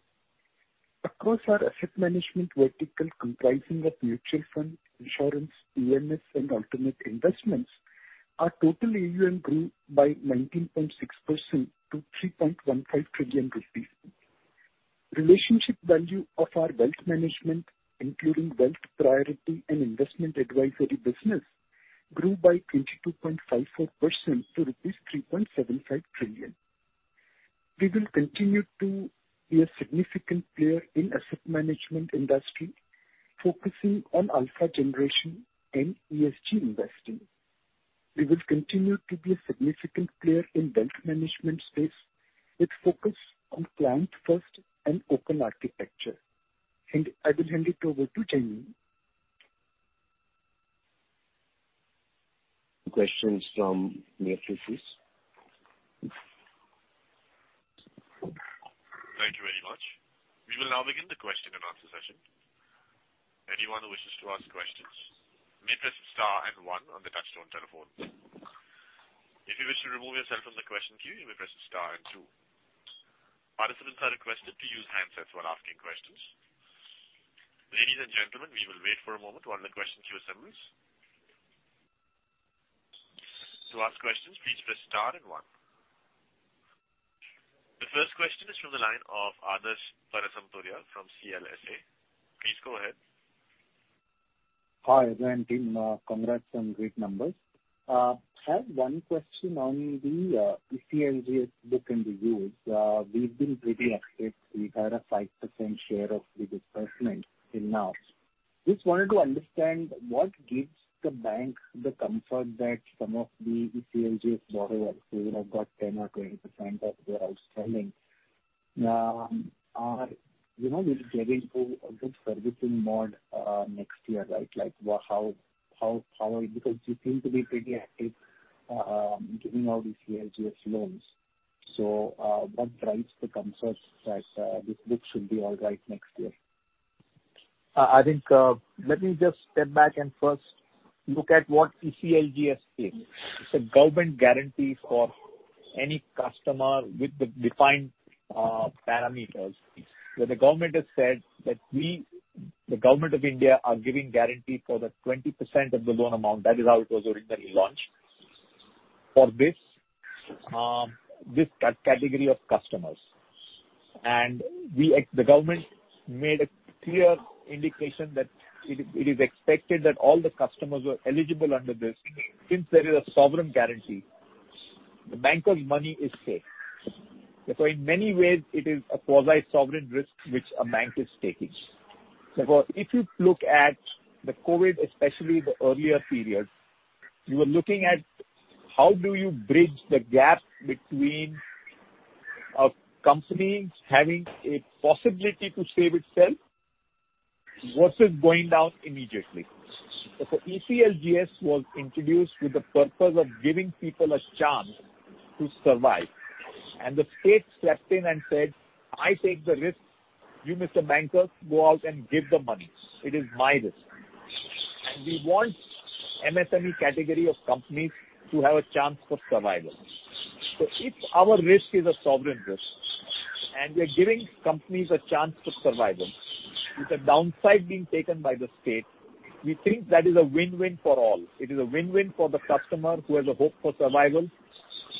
Across our asset management vertical, comprising of mutual fund, insurance, PMS, and alternate investments, our total AUM grew by 19.6% to 3.15 trillion rupees. Relationship value of our wealth management, including wealth priority and investment advisory business, grew by 22.54% to 3.75 trillion. We will continue to be a significant player in asset management industry, focusing on alpha generation and ESG investing. We will continue to be a significant player in wealth management space, with focus on client first and open architecture. And I will hand it over to Jaimin. Questions from matrices? Thank you very much. We will now begin the question and answer session. Anyone who wishes to ask questions may press star and one on the touchtone telephone. If you wish to remove yourself from the question queue, you may press star and two. Participants are requested to use handsets while asking questions. Ladies and gentlemen, we will wait for a moment while the question queue assembles. To ask questions, please press star and one. The first question is from the line of Adarsh Parasrampuria from CLSA. Please go ahead. Hi, Uday and team, congrats on great numbers. I have one question on the ECLGS book and reviews. We've been pretty upbeat. We had a 5% share of the disbursement till now. Just wanted to understand, what gives the bank the comfort that some of the ECLGS borrowers who have got 10% or 20% of their outstanding, you know, will get into a good servicing mode next year, right? Like, how... Because you seem to be pretty active, giving out these ECLGS loans. So, what drives the comfort that this book should be all right next year? I think, let me just step back and first look at what ECLGS is. It's a government guarantee for any customer with the defined parameters, where the government has said that we, the government of India, are giving guarantee for the 20% of the loan amount. That is how it was originally launched for this category of customers. And we, as the government, made a clear indication that it is expected that all the customers who are eligible under this, since there is a sovereign guarantee, the bank's money is safe. So in many ways, it is a quasi-sovereign risk which a bank is taking. So if you look at the COVID, especially the earlier period, you are looking at how do you bridge the gap between a company having a possibility to save itself versus going down immediately? So ECLGS was introduced with the purpose of giving people a chance to survive, and the state stepped in and said, "I take the risk. You, Mr. Banker, go out and give the money. It is my risk." And we want MSME category of companies to have a chance for survival. So if our risk is a sovereign risk, and we are giving companies a chance to survive, with the downside being taken by the state, we think that is a win-win for all. It is a win-win for the customer who has a hope for survival.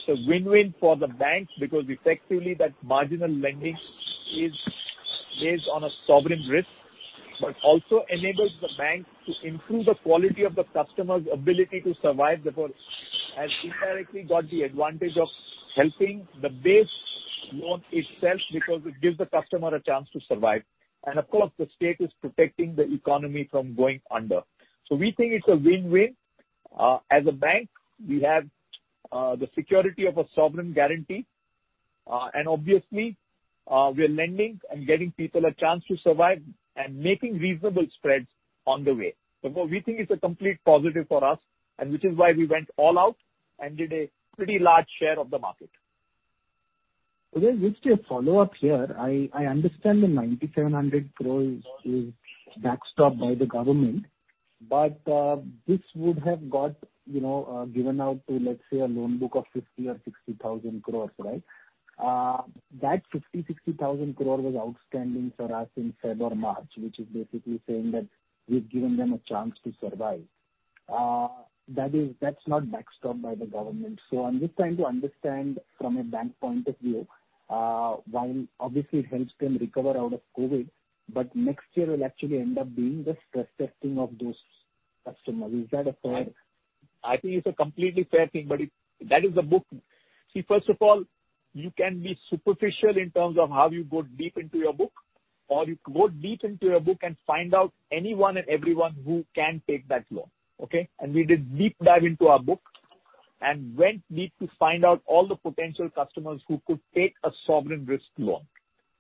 It's a win-win for the banks, because effectively that marginal lending is based on a sovereign risk, but also enables the bank to improve the quality of the customer's ability to survive, therefore, has indirectly got the advantage of helping the base loan itself, because it gives the customer a chance to survive. Of course, the state is protecting the economy from going under. We think it's a win-win. As a bank, we have the security of a sovereign guarantee, and obviously, we are lending and getting people a chance to survive and making reasonable spreads on the way. We think it's a complete positive for us, and which is why we went all out and did a pretty large share of the market.... Uday, just a follow-up here. I understand the 9,700 crore is backstopped by the government, but this would have got, you know, given out to, let's say, a loan book of 50 or 60 thousand crore, right? That 50-60 thousand crore was outstanding for us in February or March, which is basically saying that we've given them a chance to survive. That is that's not backstopped by the government. So I'm just trying to understand from a bank point of view, while obviously it helps them recover out of COVID, but next year will actually end up being the stress testing of those customers. Is that a fair? I think it's a completely fair thing, but it. That is the book. See, first of all, you can be superficial in terms of how you go deep into your book, or you go deep into your book and find out anyone and everyone who can take that loan, okay? And we did deep dive into our book and went deep to find out all the potential customers who could take a sovereign risk loan.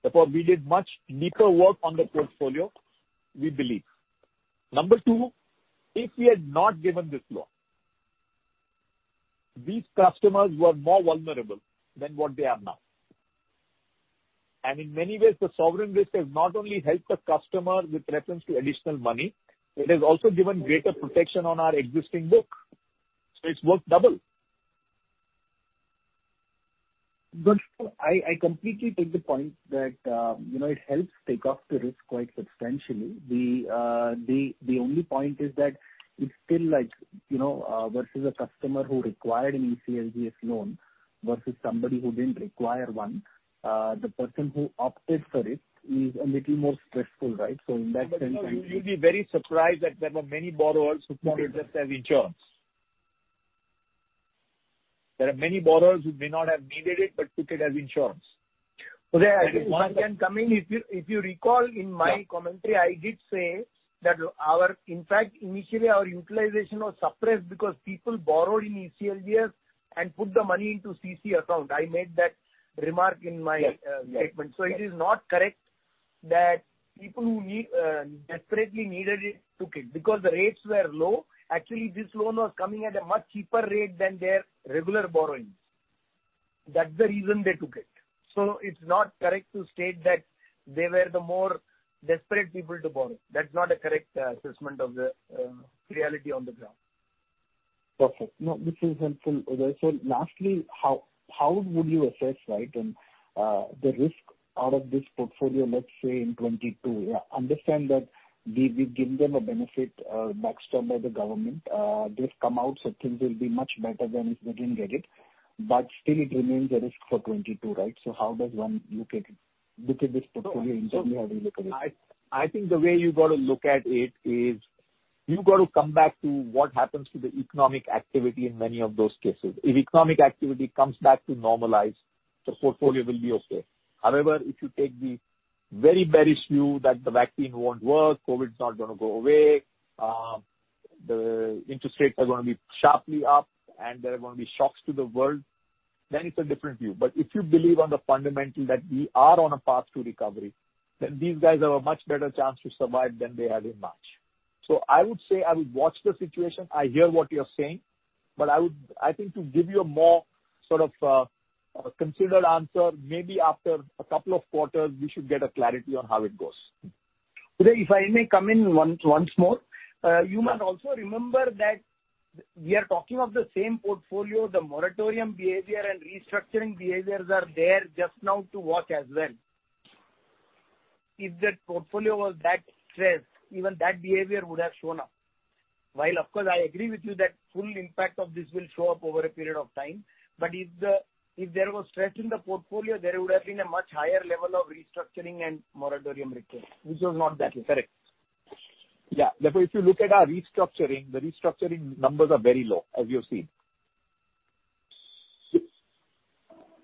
Therefore, we did much deeper work on the portfolio, we believe. Number two, if we had not given this loan, these customers were more vulnerable than what they are now. And in many ways, the sovereign risk has not only helped the customer with reference to additional money, it has also given greater protection on our existing book, so it's worth double. Good. I completely take the point that, you know, it helps take off the risk quite substantially. The only point is that it's still like, you know, versus a customer who required an ECLGS loan versus somebody who didn't require one, the person who opted for it is a little more stressful, right? So in that sense, I- But you, you'll be very surprised that there were many borrowers who took it just as insurance. There are many borrowers who may not have needed it, but took it as insurance. Uday, if I can come in. If you recall in my commentary, I did say that our... In fact, initially our utilization was suppressed because people borrowed in ECLGS and put the money into CC account. I made that remark in my statement. Yes. So it is not correct that people who need desperately needed it took it because the rates were low. Actually, this loan was coming at a much cheaper rate than their regular borrowings. That's the reason they took it. So it's not correct to state that they were the more desperate people to borrow. That's not a correct assessment of the reality on the ground. Perfect. No, this is helpful, Uday. So lastly, how would you assess, right, the risk out of this portfolio, let's say in 2022? I understand that we, we've given them a benefit, backstopped by the government. They've come out, so things will be much better than if they didn't get it, but still it remains a risk for 2022, right? So how does one look at it, look at this portfolio and how do you look at it? So I think the way you've got to look at it is, you've got to come back to what happens to the economic activity in many of those cases. If economic activity comes back to normalize, the portfolio will be okay. However, if you take the very bearish view that the vaccine won't work, COVID's not gonna go away, the interest rates are gonna be sharply up, and there are gonna be shocks to the world, then it's a different view. But if you believe on the fundamental that we are on a path to recovery, then these guys have a much better chance to survive than they had in March. So I would say I would watch the situation. I hear what you're saying, but I would I think to give you a more sort of, considered answer, maybe after a couple of quarters, we should get a clarity on how it goes. Uday, if I may come in once more. You must also remember that we are talking of the same portfolio, the moratorium behavior and restructuring behaviors are there just now to work as well. If the portfolio was that stressed, even that behavior would have shown up. While of course, I agree with you that full impact of this will show up over a period of time, but if there was stress in the portfolio, there would have been a much higher level of restructuring and moratorium returns, which was not the case. Correct. Yeah. Therefore, if you look at our restructuring, the restructuring numbers are very low, as you have seen.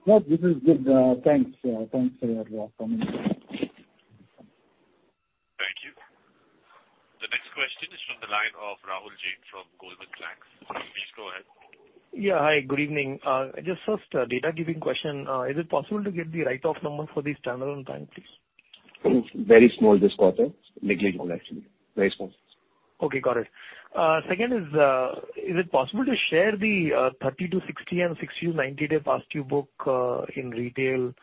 Yeah, this is good. Thanks for your comments. Thank you. The next question is from the line of Rahul Jain from Goldman Sachs. Please go ahead. Yeah, hi, good evening. Just first, a data-giving question. Is it possible to get the write-off number for this standalone bank, please? It's very small this quarter. Negligible, actually. Very small. Okay, got it. Second, is it possible to share the 30-60 and 60-90-day past due book in retail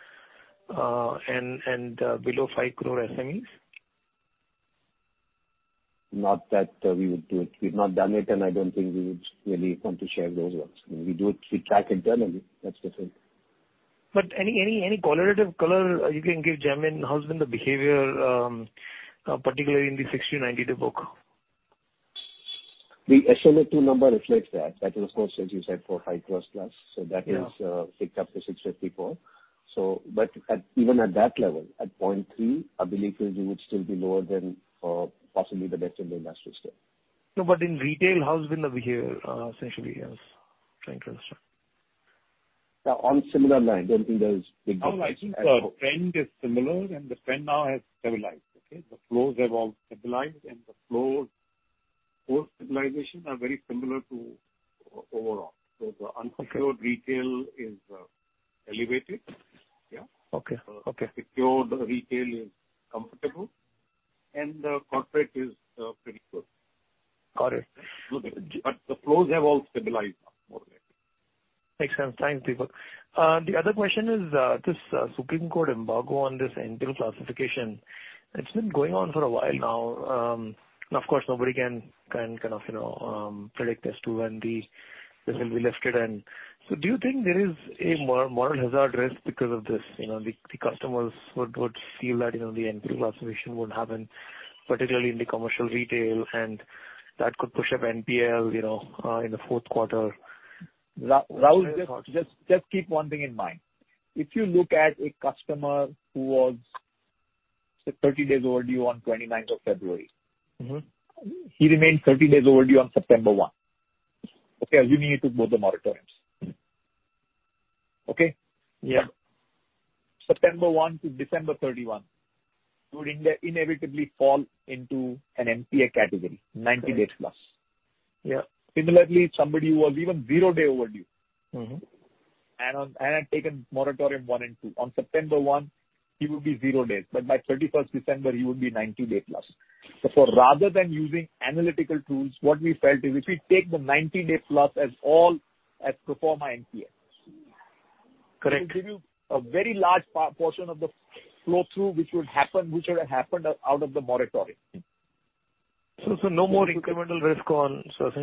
and below five crore SMEs? Not that, we would do it. We've not done it, and I don't think we would really want to share those ones. We do it, we track internally, that's different. But any qualitative color you can give, Jain, how has been the behavior, particularly in the 60-90-day book? The SMA-2 number reflects that. That is, of course, as you said, for five crores plus, so that is- Yeah. picked up to 654. So but at, even at that level, at 0.3, I believe it would still be lower than, possibly the best in the industry still. No, but in retail, how has been the behavior, essentially? I was trying to understand. On similar line, don't think there's big difference. No, I think the trend is similar, and the trend now has stabilized, okay? The flows have all stabilized, and the flow stabilization are very similar to overall. So the unsecured retail is elevated. Yeah. Okay. Okay. Secured retail is comfortable, and the corporate is pretty good.... Got it. But the flows have all stabilized now. Makes sense. Thanks, Dipak. The other question is, this Supreme Court embargo on this NPA classification, it's been going on for a while now, and of course, nobody can kind of, you know, predict as to when this will be lifted. And so do you think there is a moral hazard risk because of this? You know, the customers would feel that, you know, the NPA classification would happen, particularly in the commercial retail, and that could push up NPL, you know, in the fourth quarter. Rahul, just keep one thing in mind. If you look at a customer who was, say, thirty days overdue on twenty-ninth of February- Mm-hmm. He remains thirty days overdue on September one, okay? Assuming it took both the moratoriums. Okay? Yeah. September 1 to December 31 would inevitably fall into an NPA category, 90 days plus. Yeah. Similarly, somebody who was even zero day overdue- Mm-hmm. had taken moratorium one and two, on September 1, he would be zero days, but by December 31, he would be 90-day plus. So, rather than using analytical tools, what we felt is if we take the 90-day plus as all, as pro forma NPA. Correct. It will give you a very large portion of the flow through, which would happen, which would have happened out of the moratorium. Essentially, there's no more incremental risk.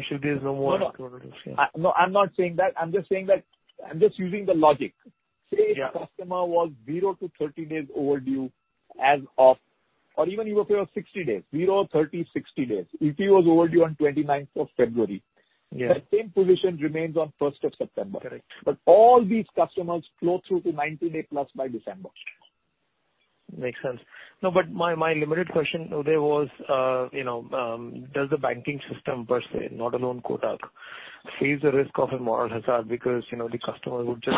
No, no. I'm not saying that. I'm just saying that. I'm just using the logic. Yeah. Say, a customer was zero to thirty days overdue as of, or even if it was sixty days, zero, thirty, sixty days. If he was overdue on twenty-ninth of February- Yeah. The same position remains on first of September. Correct. But all these customers flow through to 90-day plus by December. Makes sense. No, but my limited question today was, you know, does the banking system per se, not alone Kotak, face the risk of a moral hazard? Because, you know, the customer would just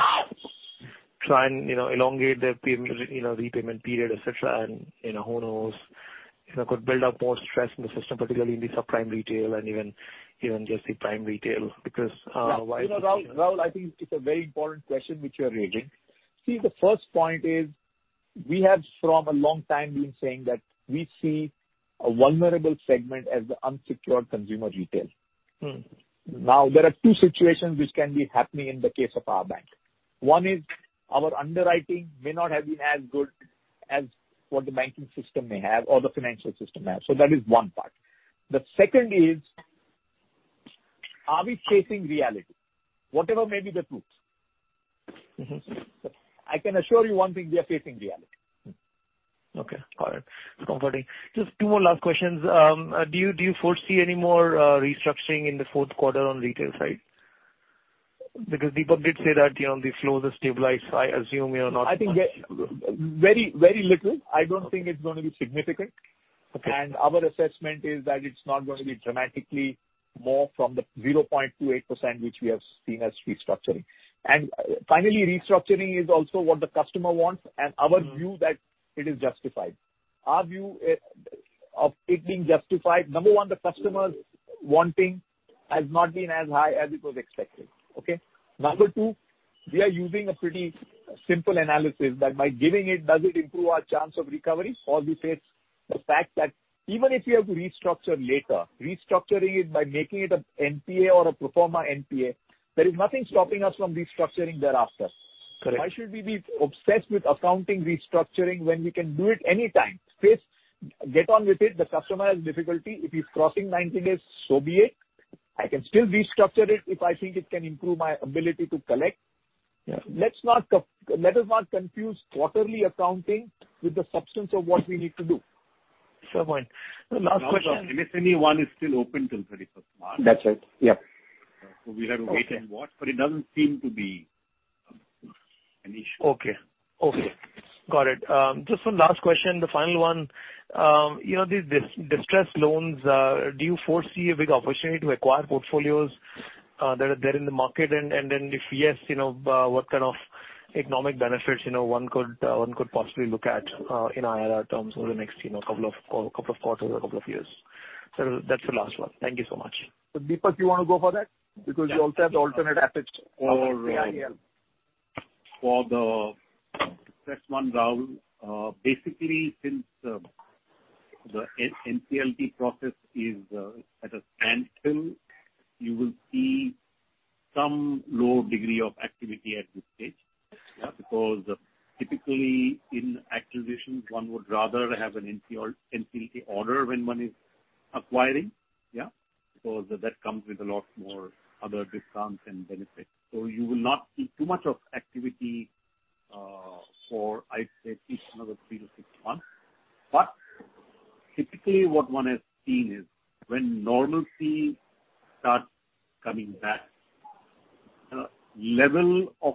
try and, you know, elongate their payment, you know, repayment period, et cetera, and, you know, who knows, you know, could build up more stress in the system, particularly in the subprime retail and even just the prime retail, because why- Yeah. You know, Rahul, I think it's a very important question which you're raising. See, the first point is, we have, from a long time, been saying that we see a vulnerable segment as the unsecured consumer retail. Mm. Now, there are two situations which can be happening in the case of our bank. One is, our underwriting may not have been as good as what the banking system may have or the financial system may have. So that is one part. The second is, are we facing reality? Whatever may be the truth. Mm-hmm. I can assure you one thing, we are facing reality. Okay, got it. It's comforting. Just two more last questions. Do you foresee any more restructuring in the fourth quarter on retail side? Because Dipak did say that, you know, the flows are stabilized, so I assume you're not- I think very, very little. I don't think it's going to be significant. Okay. Our assessment is that it's not going to be dramatically more from the 0.28%, which we have seen as restructuring. Finally, restructuring is also what the customer wants, and our view that it is justified. Our view of it being justified, number one, the customers wanting has not been as high as it was expected, okay? Number two, we are using a pretty simple analysis that by giving it, does it improve our chance of recovery? Or we face the fact that even if you have to restructure later, restructuring it by making it a NPA or a pro forma NPA, there is nothing stopping us from restructuring thereafter. Correct. Why should we be obsessed with accounting restructuring when we can do it any time? Face it, get on with it. The customer has difficulty. If he's crossing ninety days, so be it. I can still restructure it if I think it can improve my ability to collect. Yeah. Let us not confuse quarterly accounting with the substance of what we need to do. Fair point. Last question- If anyone is still open till thirty-first March. That's right. Yep. We have to wait and watch, but it doesn't seem to be an issue. Okay. Okay, got it. Just one last question, the final one. You know, the distressed loans, do you foresee a big opportunity to acquire portfolios that are there in the market? And then, if yes, you know, what kind of economic benefits, you know, one could possibly look at in IRR terms over the next couple of quarters or couple of years? So that's the last one. Thank you so much. Dipak, you want to go for that? Because you also have the alternative assets for KIAL. For the stress one, Rahul, basically, since the NCLT process is at a standstill, you will see some low degree of activity at this stage. Yeah. Because typically, in acquisitions, one would rather have an NP or NCLT order when one is acquiring, yeah? Because that comes with a lot more other discounts and benefits. So you will not see too much of activity, for, I'd say, at least another three to six months. But typically, what one has seen is when normalcy starts coming back, level of,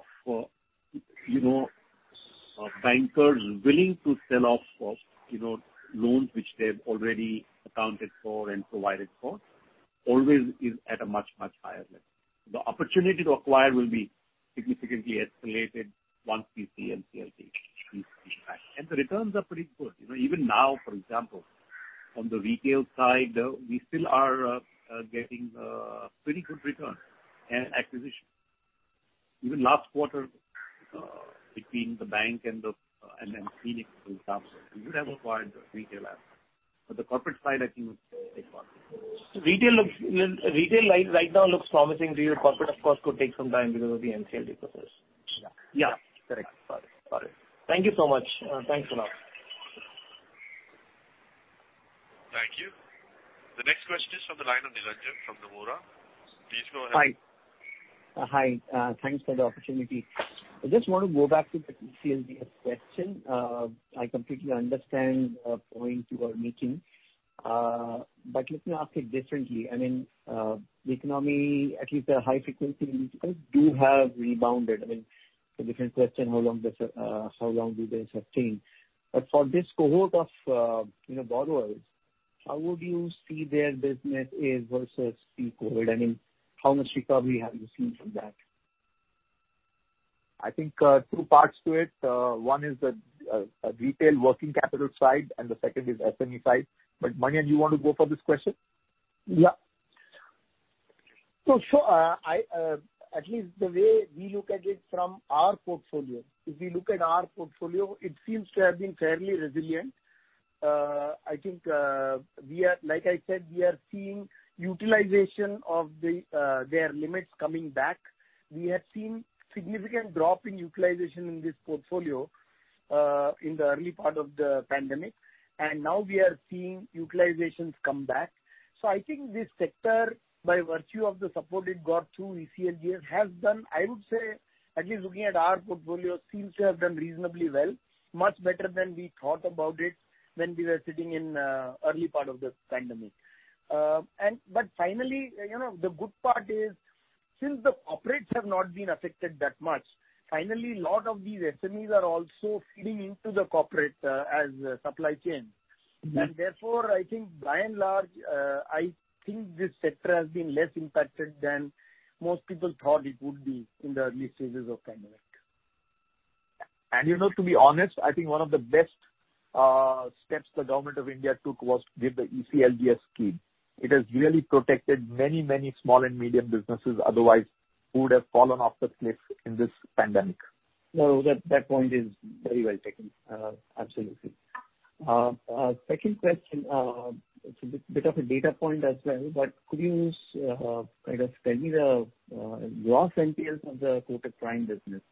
you know, bankers willing to sell off of, you know, loans which they've already accounted for and provided for, always is at a much, much higher level. The opportunity to acquire will be significantly escalated once we see NCLT. And the returns are pretty good. You know, even now, for example, on the retail side, we still are, getting, pretty good returns and acquisition even last quarter, between the bank and the, and then Phoenix and [Samsung], you never acquired retail asset, but the corporate side, I think, would take part. Retail right now looks promising too. Corporate, of course, could take some time because of the NCLT process. Yeah. Yeah, correct. Got it. Got it. Thank you so much. Thanks a lot. Thank you. The next question is from the line of Niranjan from Nomura. Please go ahead. Hi. Hi, thanks for the opportunity. I just want to go back to the ECLGS question. I completely understand the point you are making, but let me ask it differently. I mean, the economy, at least the high frequency, do have rebounded. I mean, it's a different question, how long this, how long do they sustain? But for this cohort of, you know, borrowers, how would you see their business is versus pre-COVID? I mean, how much recovery have you seen from that? I think, two parts to it. One is the retail working capital side, and the second is SME side. But, Manian, do you want to go for this question? Yeah. So sure, I, at least the way we look at it from our portfolio, if we look at our portfolio, it seems to have been fairly resilient. I think, we are... Like I said, we are seeing utilization of the, their limits coming back. We have seen significant drop in utilization in this portfolio, in the early part of the pandemic, and now we are seeing utilizations come back. So I think this sector, by virtue of the support it got through ECLGS, has done, I would say, at least looking at our portfolio, seems to have done reasonably well, much better than we thought about it when we were sitting in, early part of the pandemic. Finally, you know, the good part is, since the corporates have not been affected that much, finally, a lot of these SMEs are also feeding into the corporate as a supply chain. Mm-hmm. And therefore, I think by and large, I think this sector has been less impacted than most people thought it would be in the early stages of pandemic. You know, to be honest, I think one of the best steps the Government of India took was with the ECLGS scheme. It has really protected many, many small and medium businesses otherwise who would have fallen off the cliff in this pandemic. No, that point is very well taken, absolutely. Second question, it's a bit of a data point as well, but could you kind of tell me the gross NPLs of the Kotak Prime business?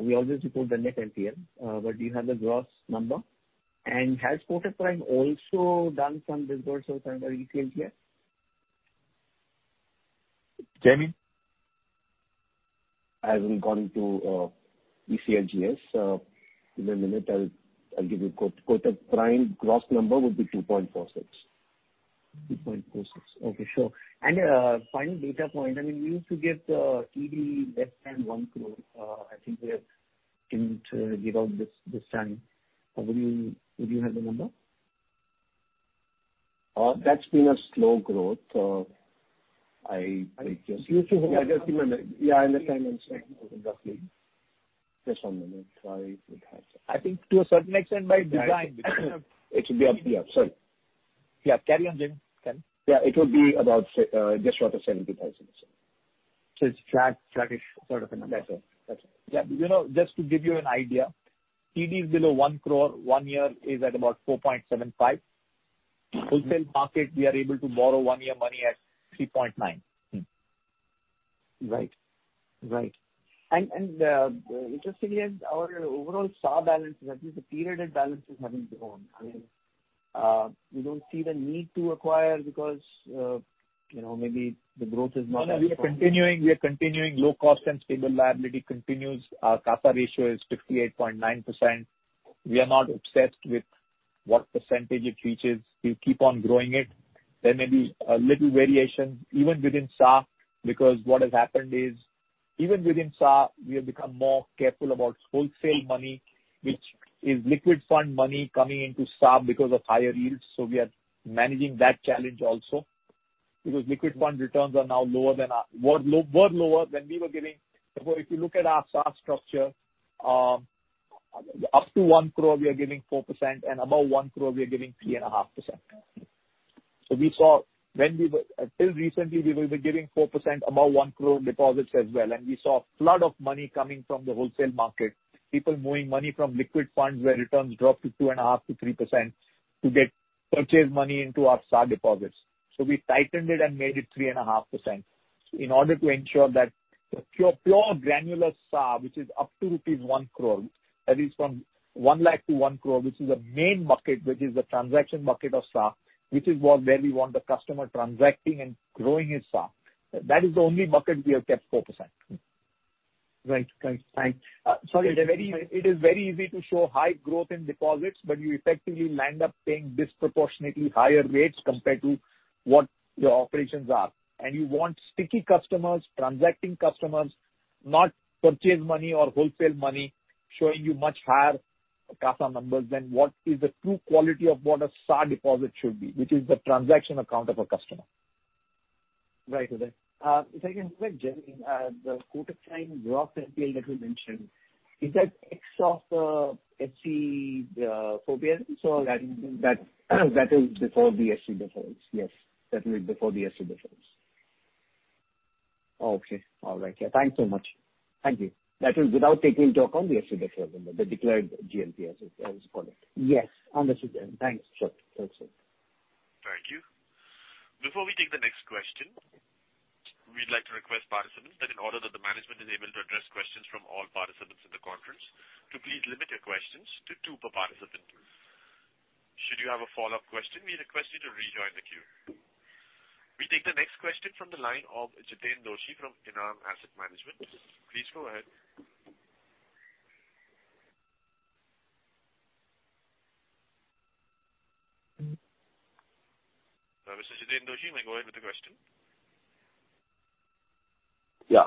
We always report the net NPL, but do you have the gross number? And has Kotak Prime also done some disbursements under ECLGS? Jaimin? As in, according to ECLGS, in a minute, I'll give you quote. Kotak Prime gross number would be 2.46. 2.46. Okay, sure. And, final data point, I mean, we used to get TD less than one crore. I think we have didn't give out this, this time. Would you, would you have the number? That's been a slow growth. It used to... Yeah, I understand. I understand roughly. Just one minute, so I would have- I think to a certain extent by design. It should be up, yeah. Sorry. Yeah, carry on, Jamie. Carry on. Yeah, it would be about, just short of seventy thousand. It's flat, flattish sort of a number. That's it. That's it. Yeah. You know, just to give you an idea, TD is below one crore. One year is at about four point seven five. Wholesale market, we are able to borrow one-year money at three point nine. Mm-hmm. Right. Right. And interestingly, our overall CASA balance, at least the period-end balance, is having grown. I mean, we don't see the need to acquire because, you know, maybe the growth is not- No, we are continuing, we are continuing. Low cost and stable liability continues. Our CASA ratio is 58.9%. We are not obsessed with what percentage it reaches. We'll keep on growing it. There may be a little variation even within SA, because what has happened is, even within SA, we have become more careful about wholesale money, which is liquid fund money coming into SA because of higher yields, so we are managing that challenge also. Because liquid bond returns are now lower than we were giving. So if you look at our SA structure, up to one crore, we are giving 4%, and above one crore, we are giving 3.5%. So we saw when we were... Until recently, we were giving 4% above one crore deposits as well, and we saw a flood of money coming from the wholesale market, people moving money from liquid funds where returns dropped to 2.5%-3% to get purchase money into our savings deposits. So we tightened it and made it 3.5% in order to ensure that the pure, pure granular savings, which is up to rupees one crore, that is from one lakh to one crore, which is a main market, which is the transaction market of savings, which is where we want the customer transacting and growing his savings. That is the only market we have kept 4%. Right. Right. Thanks. Sorry, it is very easy to show high growth in deposits, but you effectively land up paying disproportionately higher rates compared to what your operations are, and you want sticky customers, transacting customers, not purchased money or wholesale money showing you much higher CASA numbers than what is the true quality of what a CASA deposit should be, which is the transaction account of a customer. Right. If I can move on, Jamie, the Kotak Prime gross NPL that you mentioned, is that ex of SME portfolios or that- That is before the SC defaults, yes. That will be before the SC defaults.... Okay. All right. Yeah, thanks so much. Thank you. That is without taking into account the additional, the declared GNPA, as, as you call it? Yes, understood that. Thanks. Sure. Thanks, sir. Thank you. Before we take the next question, we'd like to request participants that in order that the management is able to address questions from all participants in the conference, to please limit your questions to two per participant. Should you have a follow-up question, we request you to rejoin the queue. We take the next question from the line of Jiten Doshi from Enam Asset Management. Please go ahead. Mr. Jiten Doshi, you may go ahead with the question. Yeah,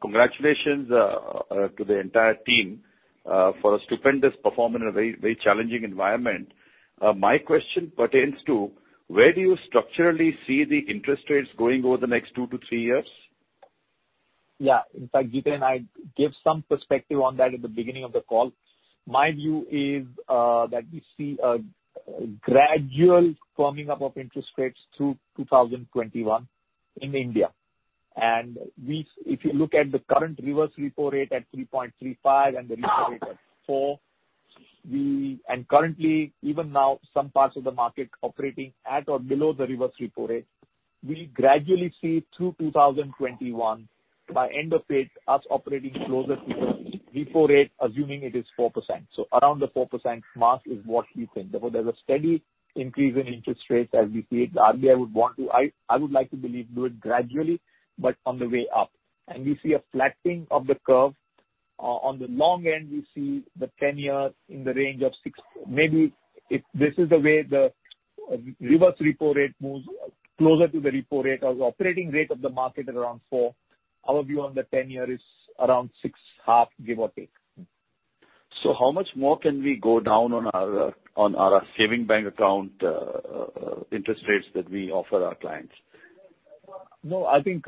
congratulations to the entire team for a stupendous performance in a very, very challenging environment. My question pertains to: Where do you structurally see the interest rates going over the next two to three years? Yeah. In fact, Jiten, I gave some perspective on that at the beginning of the call. My view is, that we see a gradual firming up of interest rates through two thousand twenty-one in India. And we- if you look at the current reverse repo rate at 3.35 and the repo rate at 4, we. And currently, even now, some parts of the market operating at or below the reverse repo rate, we gradually see through two thousand twenty-one, by end of it, us operating closer to the repo rate, assuming it is 4%. So around the 4% mark is what we think. Therefore, there's a steady increase in interest rates as we see it. The RBI would want to, I, I would like to believe, do it gradually, but on the way up. And we see a flattening of the curve. On the long end, we see the ten-year in the range of six. Maybe if this is the way the reverse repo rate moves closer to the repo rate or the operating rate of the market at around four, our view on the ten-year is around six half, give or take. So how much more can we go down on our savings bank account interest rates that we offer our clients? No, I think,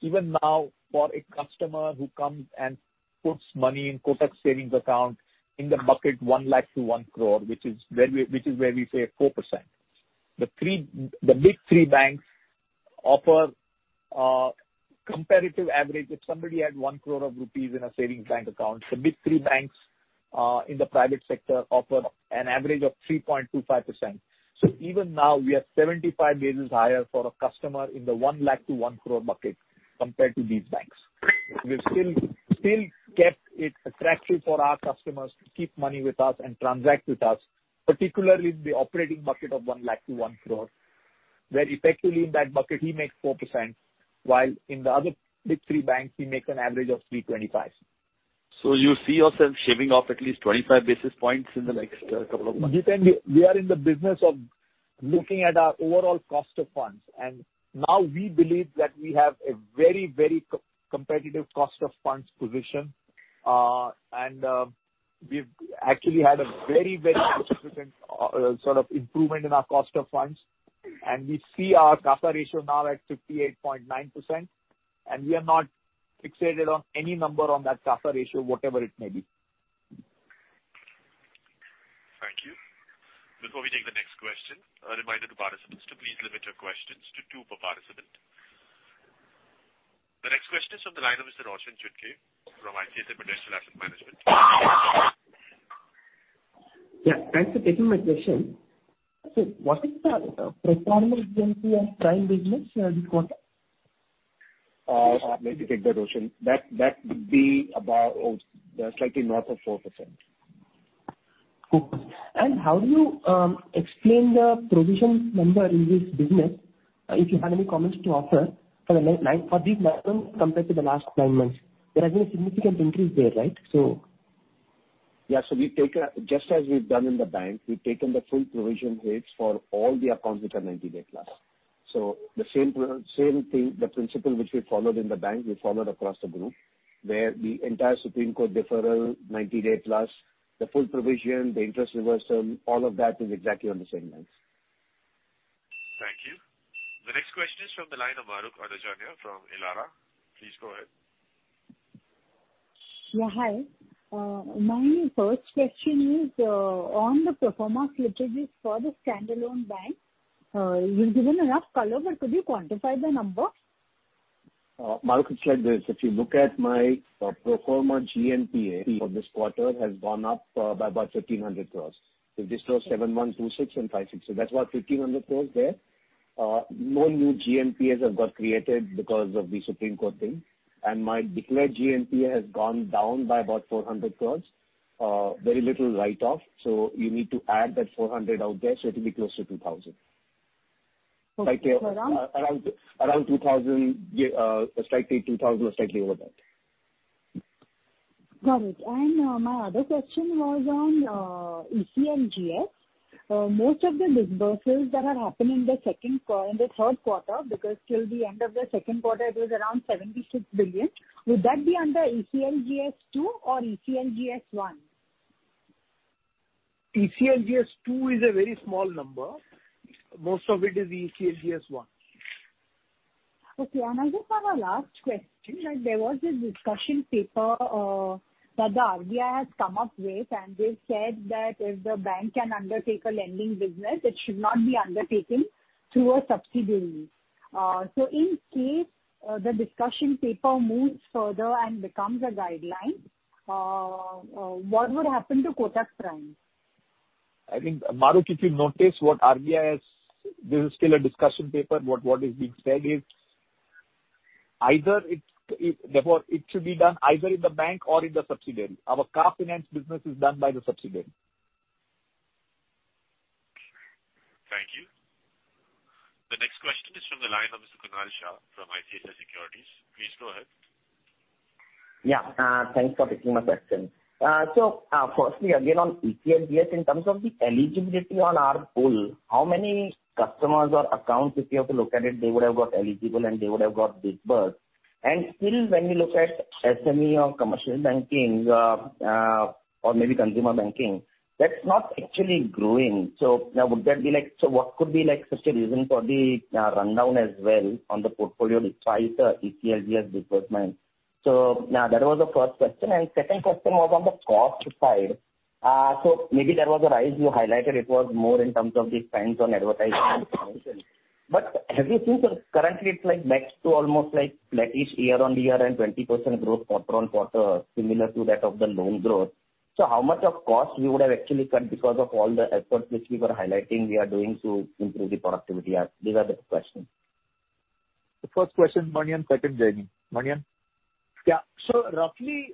even now, for a customer who comes and puts money in Kotak savings account in the bucket one lakh to one crore, which is where we say 4%. The big three banks offer comparative average. If somebody had one crore of rupees in a savings bank account, the big three banks in the private sector offer an average of 3.25%. So even now, we are 75 basis higher for a customer in the one lakh to one crore market compared to these banks. We've still kept it attractive for our customers to keep money with us and transact with us, particularly the operating market of one lakh to one crore, where effectively in that bucket he makes 4%, while in the other big three banks, he makes an average of 3.25%. So you see yourself shaving off at least twenty-five basis points in the next couple of months? Jiten, we are in the business of looking at our overall cost of funds, and now we believe that we have a very, very cost-competitive cost of funds position. And we've actually had a very, very significant sort of improvement in our cost of funds. And we see our CASA ratio now at 58.9%, and we are not fixated on any number on that CASA ratio, whatever it may be. Thank you. Before we take the next question, a reminder to participants to please limit your questions to two per participant. The next question is from the line of Roshan Chutkey from ICICI Prudential Asset Management. Yeah, thanks for taking my question. So what is the pro forma GNPA prime business this quarter? Let me take that, Roshan. That would be about slightly north of 4%. Cool. And how do you explain the provision number in this business? If you have any comments to offer for these nine months compared to the last nine months, there has been a significant increase there, right? So... Yeah, so we've taken just as we've done in the bank, we've taken the full provision hits for all the accounts which are ninety-day plus, so the same thing, the principle which we followed in the bank, we followed across the group, where the entire Supreme Court deferral, ninety-day plus, the full provision, the interest reversal, all of that is exactly on the same lines. Thank you. The next question is from the line of Mahrukh Adajania from Elara Capital. Please go ahead. Yeah, hi. My first question is on the pro forma GNPA for the standalone bank. You've given enough color, but could you quantify the number? Mahrukh, it's like this: If you look at my pro forma GNPA for this quarter has gone up by about 1,300 crores. So this shows seven one two six and five six. So that's about 1,300 crores there. No new GNPAs have got created because of the Supreme Court thing, and my declared GNPA has gone down by about 400 crores. Very little write-off, so you need to add that four hundred out there, so it'll be close to 2,000. Okay. Around? Around 2,000, slightly 2,000 or slightly over that. Got it. And my other question was on ECLGS. Most of the disbursements that are happening in the third quarter, because till the end of the second quarter, it was around 76 billion. Would that be under ECLGS two or ECLGS one? ECLGS two is a very small number. Most of it is ECLGS one. Okay, and I just have a last question. There was a discussion paper that the RBI has come up with, and they said that if the bank can undertake a lending business, it should not be undertaking through a subsidiary. So in case, the discussion paper moves further and becomes a guideline, what would happen to Kotak Prime? I think, Marut, if you notice what RBI has, this is still a discussion paper. What is being said is, either it therefore it should be done either in the bank or in the subsidiary. Our car finance business is done by the subsidiary. Thank you. The next question is from the line of Mr. Kunal Shah from ICICI Securities. Please go ahead. Yeah, thanks for taking my question. So, firstly, again, on ECLGS, in terms of the eligibility on our pool, how many customers or accounts, if you have to look at it, they would have got eligible and they would have got dispersed? And still, when you look at SME or commercial banking, or maybe consumer banking, that's not actually growing. So now would that be like... So what could be, like, such a reason for the, rundown as well on the portfolio despite the ECLGS disbursement? So, now, that was the first question, and second question was on the cost side. So maybe there was a rise you highlighted. It was more in terms of the spends on advertising. But have you seen, so currently, it's like back to almost, like, flattish year on year and 20% growth quarter on quarter, similar to that of the loan growth. So how much of cost you would have actually cut because of all the efforts which we were highlighting we are doing to improve the productivity? These are the questions. The first question, Manian, second, Jayant. Manian? Yeah. So roughly,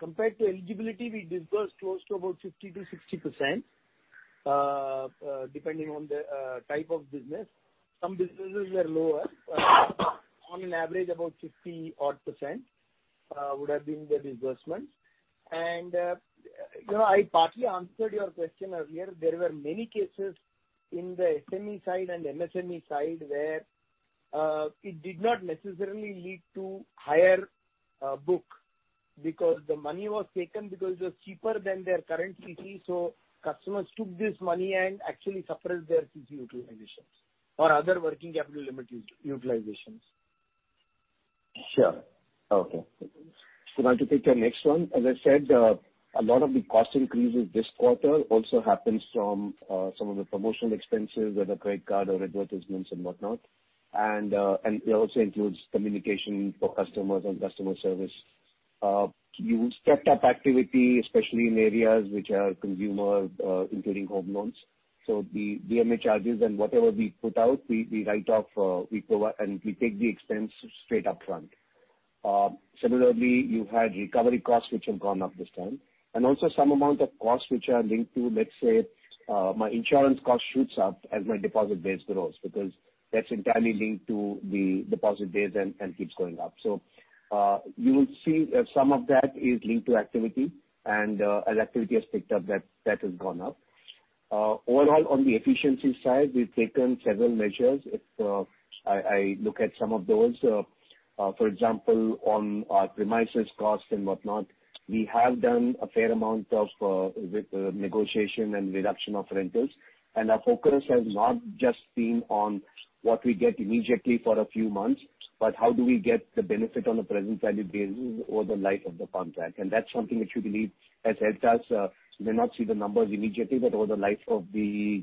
compared to eligibility, we dispersed close to about 50%-60%, depending on the type of business. Some businesses were lower, but on an average, about 50-odd%, would have been the disbursements. And, you know, I partly answered your question earlier. There were many cases in the SME side and MSME side where, it did not necessarily lead to higher book, because the money was taken because it was cheaper than their current CC. So customers took this money and actually suppressed their CC utilizations or other working capital limit utilizations. Sure. Okay. So now to take your next one, as I said, a lot of the cost increases this quarter also happens from some of the promotional expenses, whether credit card or advertisements and whatnot, and it also includes communication for customers and customer service. You stepped up activity, especially in areas which are consumer, including home loans. So the BMA charges and whatever we put out, we write off, and we take the expense straight up front. Similarly, you had recovery costs, which have gone up this time, and also some amount of costs which are linked to, let's say, my insurance cost shoots up as my deposit base grows, because that's entirely linked to the deposit base and keeps going up. So, you will see, some of that is linked to activity, and, as activity has picked up, that has gone up. Overall, on the efficiency side, we've taken several measures. If I look at some of those, for example, on our premises cost and whatnot, we have done a fair amount of negotiation and reduction of rentals. Our focus has not just been on what we get immediately for a few months, but how do we get the benefit on the present value basis over the life of the contract? That's something which we believe has helped us. We may not see the numbers immediately, but over the life of the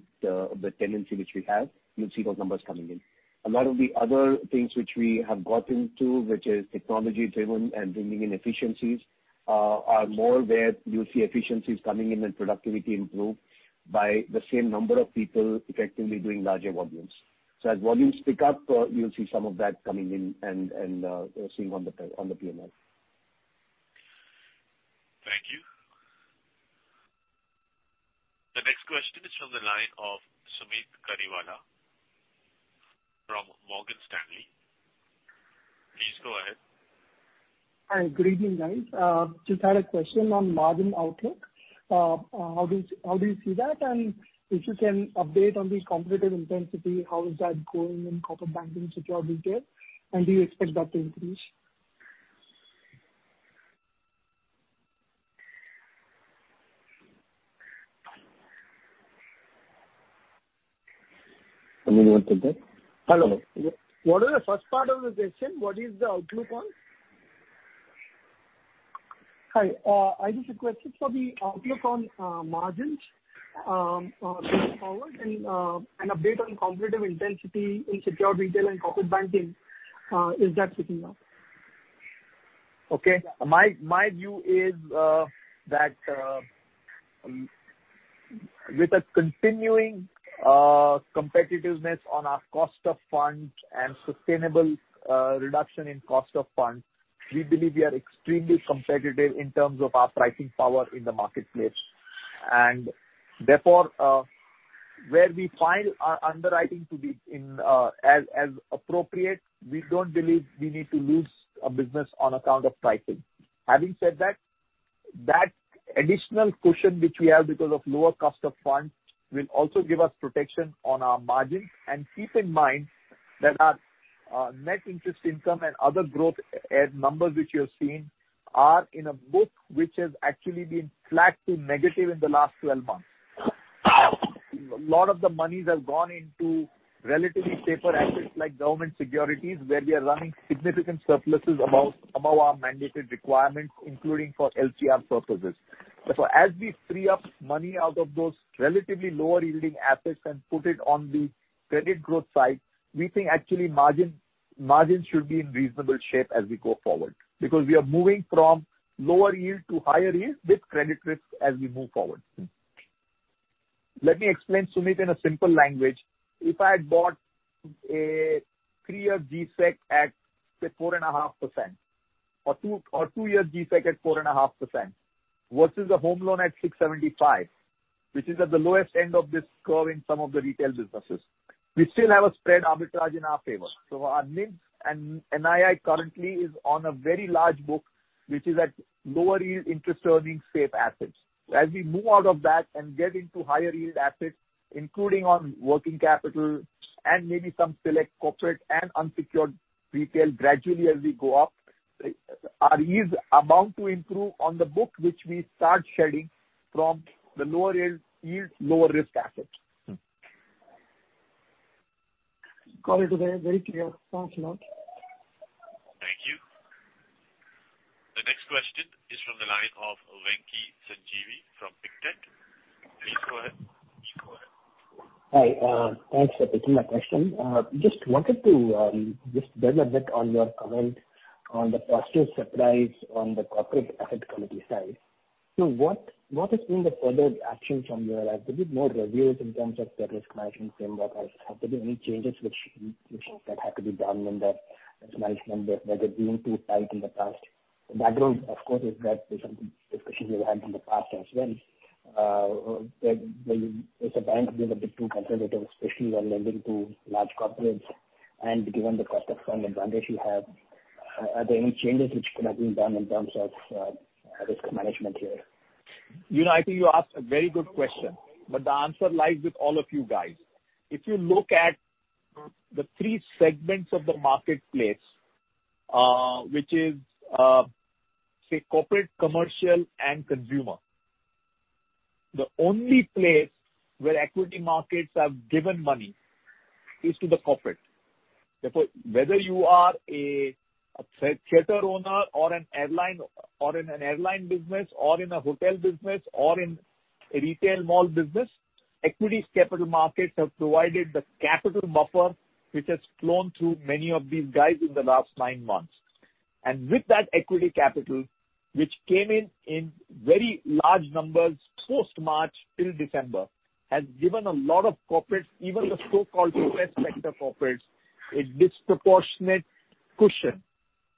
tenancy which we have, you'll see those numbers coming in. A lot of the other things which we have gotten to, which is technology driven and bringing in efficiencies, are more where you'll see efficiencies coming in and productivity improve by the same number of people effectively doing larger volumes. So as volumes pick up, you'll see some of that coming in and seeing on the P&L. Thank you. The next question is from the line of Sumeet Kariwala from Morgan Stanley. Please go ahead. Hi, good evening, guys. Just had a question on margin outlook. How do you see that? And if you can update on the competitive intensity, how is that going in corporate banking, secured retail, and do you expect that to increase? Hello. What was the first part of the question? What is the outlook on? Hi, I just requested for the outlook on margins going forward and an update on competitive intensity in secured retail and corporate banking. Is that picking up? Okay. My view is that with a continuing competitiveness on our cost of funds and sustainable reduction in cost of funds, we believe we are extremely competitive in terms of our pricing power in the marketplace. And therefore, where we find our underwriting to be as appropriate, we don't believe we need to lose a business on account of pricing. Having said that, that additional cushion which we have because of lower cost of funds will also give us protection on our margins. And keep in mind that our net interest income and other growth numbers which you're seeing are in a book which has actually been flat to negative in the last twelve months. A lot of the monies have gone into relatively safer assets, like government securities, where we are running significant surpluses above our mandated requirements, including for LCR purposes. So as we free up money out of those relatively lower yielding assets and put it on the credit growth side, we think actually margin, margin should be in reasonable shape as we go forward, because we are moving from lower yield to higher yield with credit risk as we move forward. Let me explain, Sumeet, in a simple language. If I had bought a three-year G-sec at, say, 4.5%, or two-, or two-year G-sec at 4.5%, versus a home loan at 6.75%, which is at the lowest end of this curve in some of the retail businesses, we still have a spread arbitrage in our favor. So our NIIs and, NII currently is on a very large book, which is at lower yield interest serving safe assets. So as we move out of that and get into higher yield assets, including on working capital and maybe some select corporate and unsecured retail, gradually as we go up, our yields are bound to improve on the book which we start shedding from the lower yield, lower risk assets. Got it today, very clear. Thanks a lot. Thank you. The next question is from the line of Venky Sanjeevi from Pictet. Please go ahead. Please go ahead. Hi, thanks for taking my question. Just wanted to just build a bit on your comment on the positive surprise on the corporate asset committee side. So what has been the further action from there? Has there been more reviews in terms of the risk management framework? Have there been any changes which that had to be done in the risk management, whether being too tight in the past? The background, of course, is that there's some discussions we've had in the past as well, that if the bank was a bit too conservative, especially when lending to large corporates and given the cost of fund advantage you have, are there any changes which could have been done in terms of risk management here? You know, I think you asked a very good question, but the answer lies with all of you guys. If you look at the three segments of the marketplace, which is, say, corporate, commercial, and consumer, the only place where equity markets have given money is to the corporate. Therefore, whether you are a theater owner or an airline, or in an airline business or in a hotel business or in a retail mall business, equity capital markets have provided the capital buffer, which has flown through many of these guys in the last nine months, and with that equity capital, which came in very large numbers post-March till December, has given a lot of corporates, even the so-called stressed sector corporates, a disproportionate cushion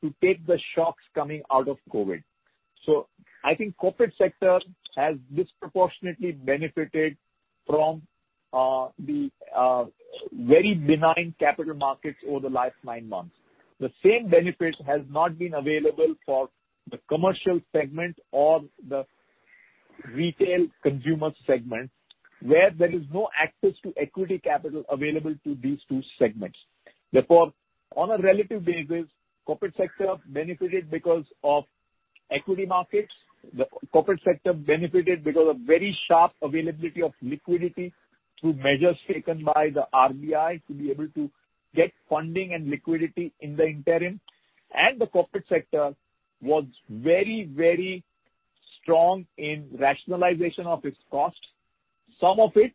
to take the shocks coming out of COVID. So I think corporate sector has disproportionately benefited from the very benign capital markets over the last nine months. The same benefit has not been available for the commercial segment or the retail consumer segment, where there is no access to equity capital available to these two segments. Therefore, on a relative basis, corporate sector benefited because of equity markets. The corporate sector benefited because of very sharp availability of liquidity through measures taken by the RBI to be able to get funding and liquidity in the interim. And the corporate sector was very, very strong in rationalization of its costs. Some of it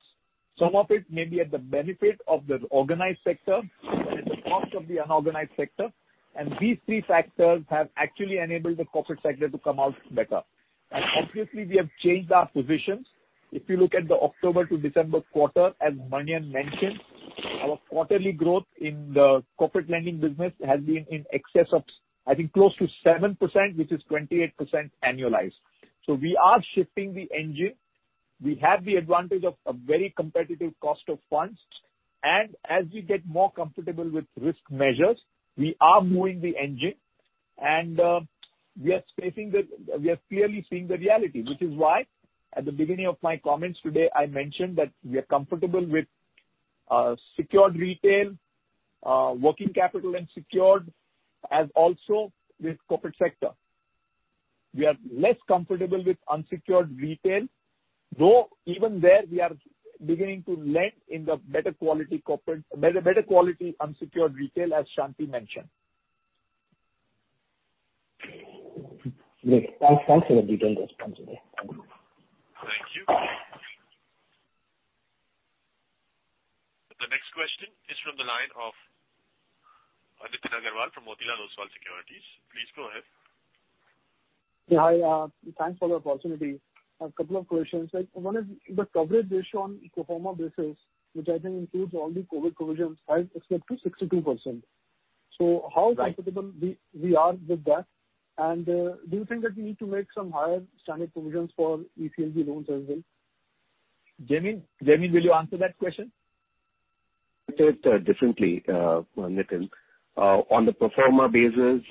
may be at the benefit of the organized sector, but at the cost of the unorganized sector. And these three factors have actually enabled the corporate sector to come out better. And obviously, we have changed our positions. If you look at the October to December quarter, as Manian mentioned, our quarterly growth in the corporate lending business has been in excess of, I think, close to 7%, which is 28% annualized. So we are shifting the engine. We have the advantage of a very competitive cost of funds, and as we get more comfortable with risk measures, we are moving the engine and we are facing the reality, which is why at the beginning of my comments today, I mentioned that we are comfortable with secured retail, working capital and secured, as also with corporate sector. We are less comfortable with unsecured retail, though even there, we are beginning to lend in the better quality corporate, better quality unsecured retail, as Shanti mentioned. Great. Thanks, thanks for the detailed response today. Thank you. The next question is from the line of Nitin Aggarwal from Motilal Oswal Securities. Please go ahead. Yeah, hi, thanks for the opportunity. A couple of questions. Like, one is the coverage ratio on pro forma basis, which I think includes all the COVID provisions, has increased to 62%. So how- Right. How comfortable we are with that? And, do you think that we need to make some higher standard provisions for ECLGS loans as well? Jaimin, Jaimin, will you answer that question?... differently, Nitin. On the pro forma basis,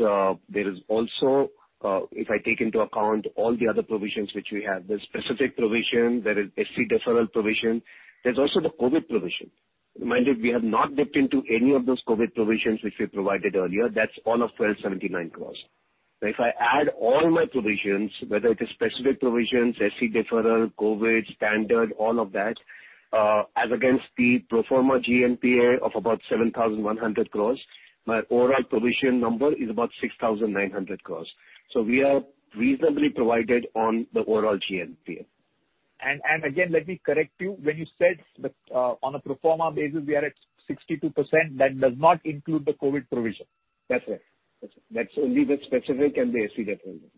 there is also, if I take into account all the other provisions which we have, there's specific provision, there is SC deferral provision, there's also the COVID provision. Mind you, we have not dipped into any of those COVID provisions which we provided earlier. That's all of 1,279 crores. So if I add all my provisions, whether it is specific provisions, SC deferral, COVID, standard, all of that as against the Pro forma GNPA of about seven thousand one hundred crores, my overall provision number is about six thousand nine hundred crores. So we are reasonably provided on the overall GNPA. Again, let me correct you. When you said that, on a pro forma basis, we are at 62%, that does not include the COVID provision. That's right. That's only the specific and the SC that provision.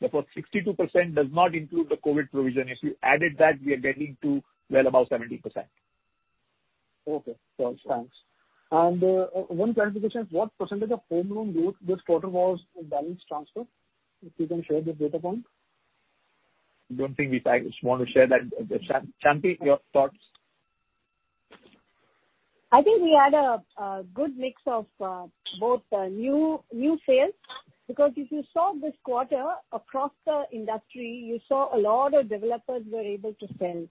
Therefore, 62% does not include the COVID provision. If you added that, we are getting to well above 70%. Okay, gotcha. Thanks. And, one clarification, what percentage of home loan growth this quarter was a balance transfer? If you can share this data point. Don't think we actually want to share that. Shanti, your thoughts? I think we had a good mix of both new sales, because if you saw this quarter across the industry, you saw a lot of developers were able to sell.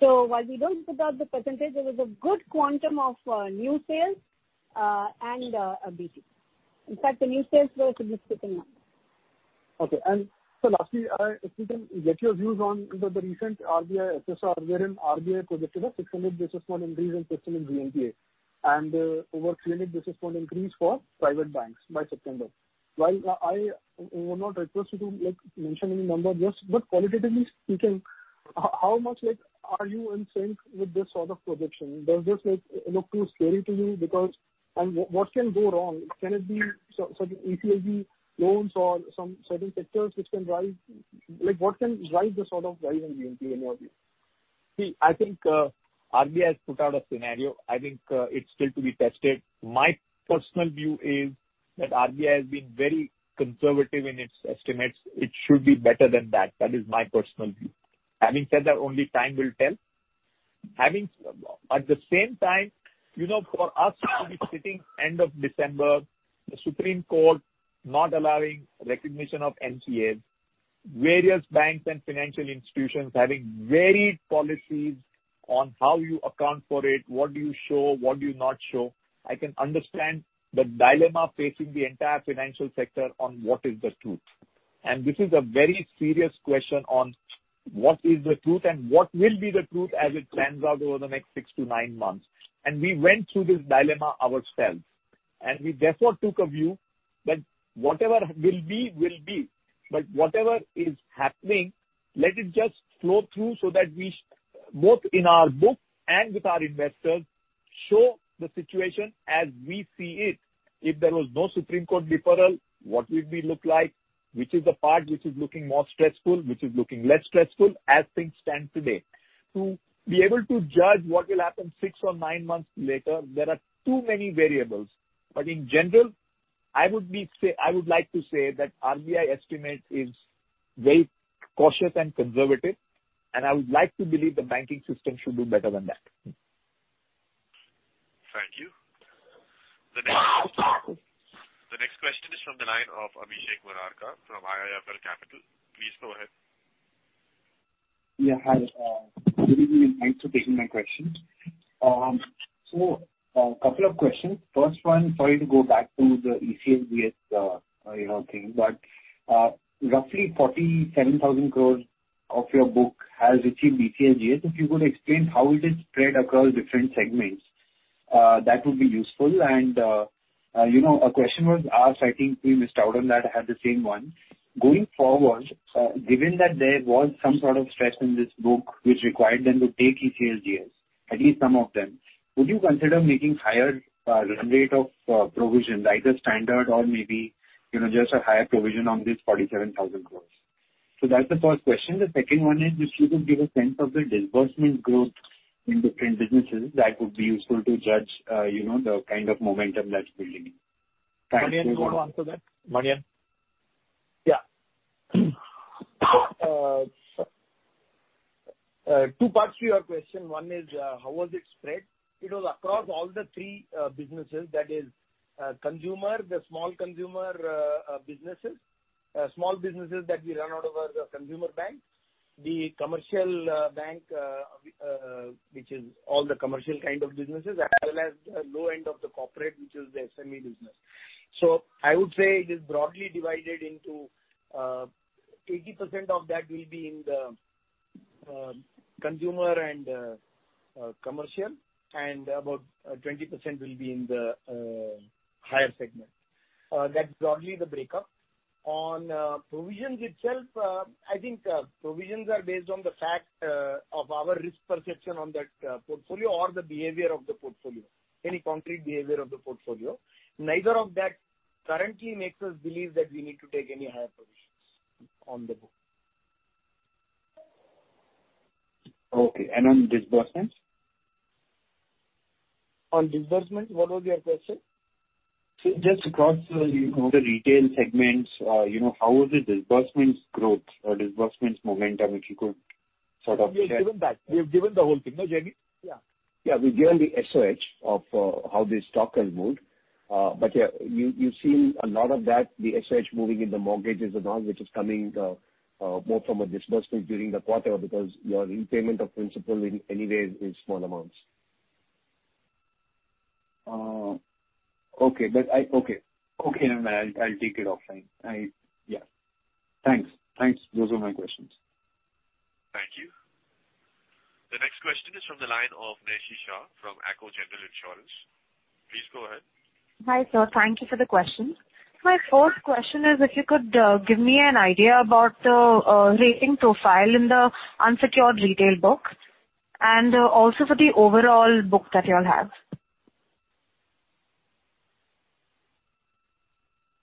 So while we don't put out the percentage, there was a good quantum of new sales, and a BT. In fact, the new sales were a significant number. Okay. And so lastly, if we can get your views on, you know, the recent RBI FSR, wherein RBI projected a 600 basis points increase in system GNPA, and over 300 basis points increase for private banks by September. While I would not request you to, like, mention any number, just but qualitatively speaking, how much, like, are you in sync with this sort of projection? Does this, like, look too scary to you? Because and what can go wrong? Can it be so ECB loans or some certain sectors which can rise? Like, what can drive the sort of rise in GNPA, in your view? See, I think, RBI has put out a scenario. I think, it's still to be tested. My personal view is that RBI has been very conservative in its estimates. It should be better than that, that is my personal view. Having said that, only time will tell. At the same time, you know, for us to be sitting end of December, the Supreme Court not allowing recognition of NPAs, various banks and financial institutions having varied policies on how you account for it, what do you show, what do you not show? I can understand the dilemma facing the entire financial sector on what is the truth. This is a very serious question on what is the truth and what will be the truth as it pans out over the next six to nine months. We went through this dilemma ourselves, and we therefore took a view that whatever will be, will be. Whatever is happening, let it just flow through so that we, both in our book and with our investors, show the situation as we see it. If there was no Supreme Court deferral, what would we look like? Which is the part which is looking more stressful, which is looking less stressful as things stand today? To be able to judge what will happen six or nine months later, there are too many variables, but in general, I would like to say that RBI estimate is very cautious and conservative, and I would like to believe the banking system should do better than that. Thank you. The next question is from the line of Abhishek Murarka from IIFL Securities. Please go ahead. Yeah, hi, good evening. Thanks for taking my question. So, couple of questions. First one, sorry to go back to the ECLGS, you know, thing, but, roughly 47,000 crores of your book has achieved ECLGS. If you could explain how it is spread across different segments, that would be useful. And, you know, a question was asked, I think, Mr. Uday that had the same one. Going forward, given that there was some sort of stress in this book which required them to take ECLGS, at least some of them, would you consider making higher run rate of provision, either standard or maybe, you know, just a higher provision on this 47,000 crores? So that's the first question. The second one is, if you could give a sense of the disbursement growth in different businesses, that would be useful to judge, you know, the kind of momentum that's building. Thank you. Manian, you want to answer that? Manian? Yeah. Two parts to your question. One is, how was it spread? It was across all the three businesses, that is, consumer, the small consumer businesses, small businesses that we run out of our consumer bank. The commercial bank, which is all the commercial kind of businesses, as well as the low end of the corporate, which is the SME business. So I would say it is broadly divided into, 80% of that will be in the, consumer and, commercial, and about, 20% will be in the, higher segment. That's broadly the breakup. On, provisions itself, I think, provisions are based on the fact, of our risk perception on that, portfolio or the behavior of the portfolio, any concrete behavior of the portfolio. Neither of that currently makes us believe that we need to take any higher provisions on the books. Okay, and on disbursements? On disbursement, what was your question? So just across, you know, the retail segments, you know, how is the disbursements growth or disbursements momentum, if you could sort of share? We've given that. We've given the whole thing, no, Jaideep? Yeah. Yeah, we've given the SOH of how this stock has moved. But yeah, you've seen a lot of that, the SOH moving in the mortgages amount, which is coming more from a disbursement during the quarter, because your repayment of principal in any way is small amounts. Okay, but okay. Okay, never mind. I'll take it offline. Yeah. Thanks, thanks. Those are my questions. Thank you. The next question is from the line of Nishi Shah from Acko General Insurance. Please go ahead. Hi, sir. Thank you for the question. My first question is if you could give me an idea about the rating profile in the unsecured retail book, and also for the overall book that you all have?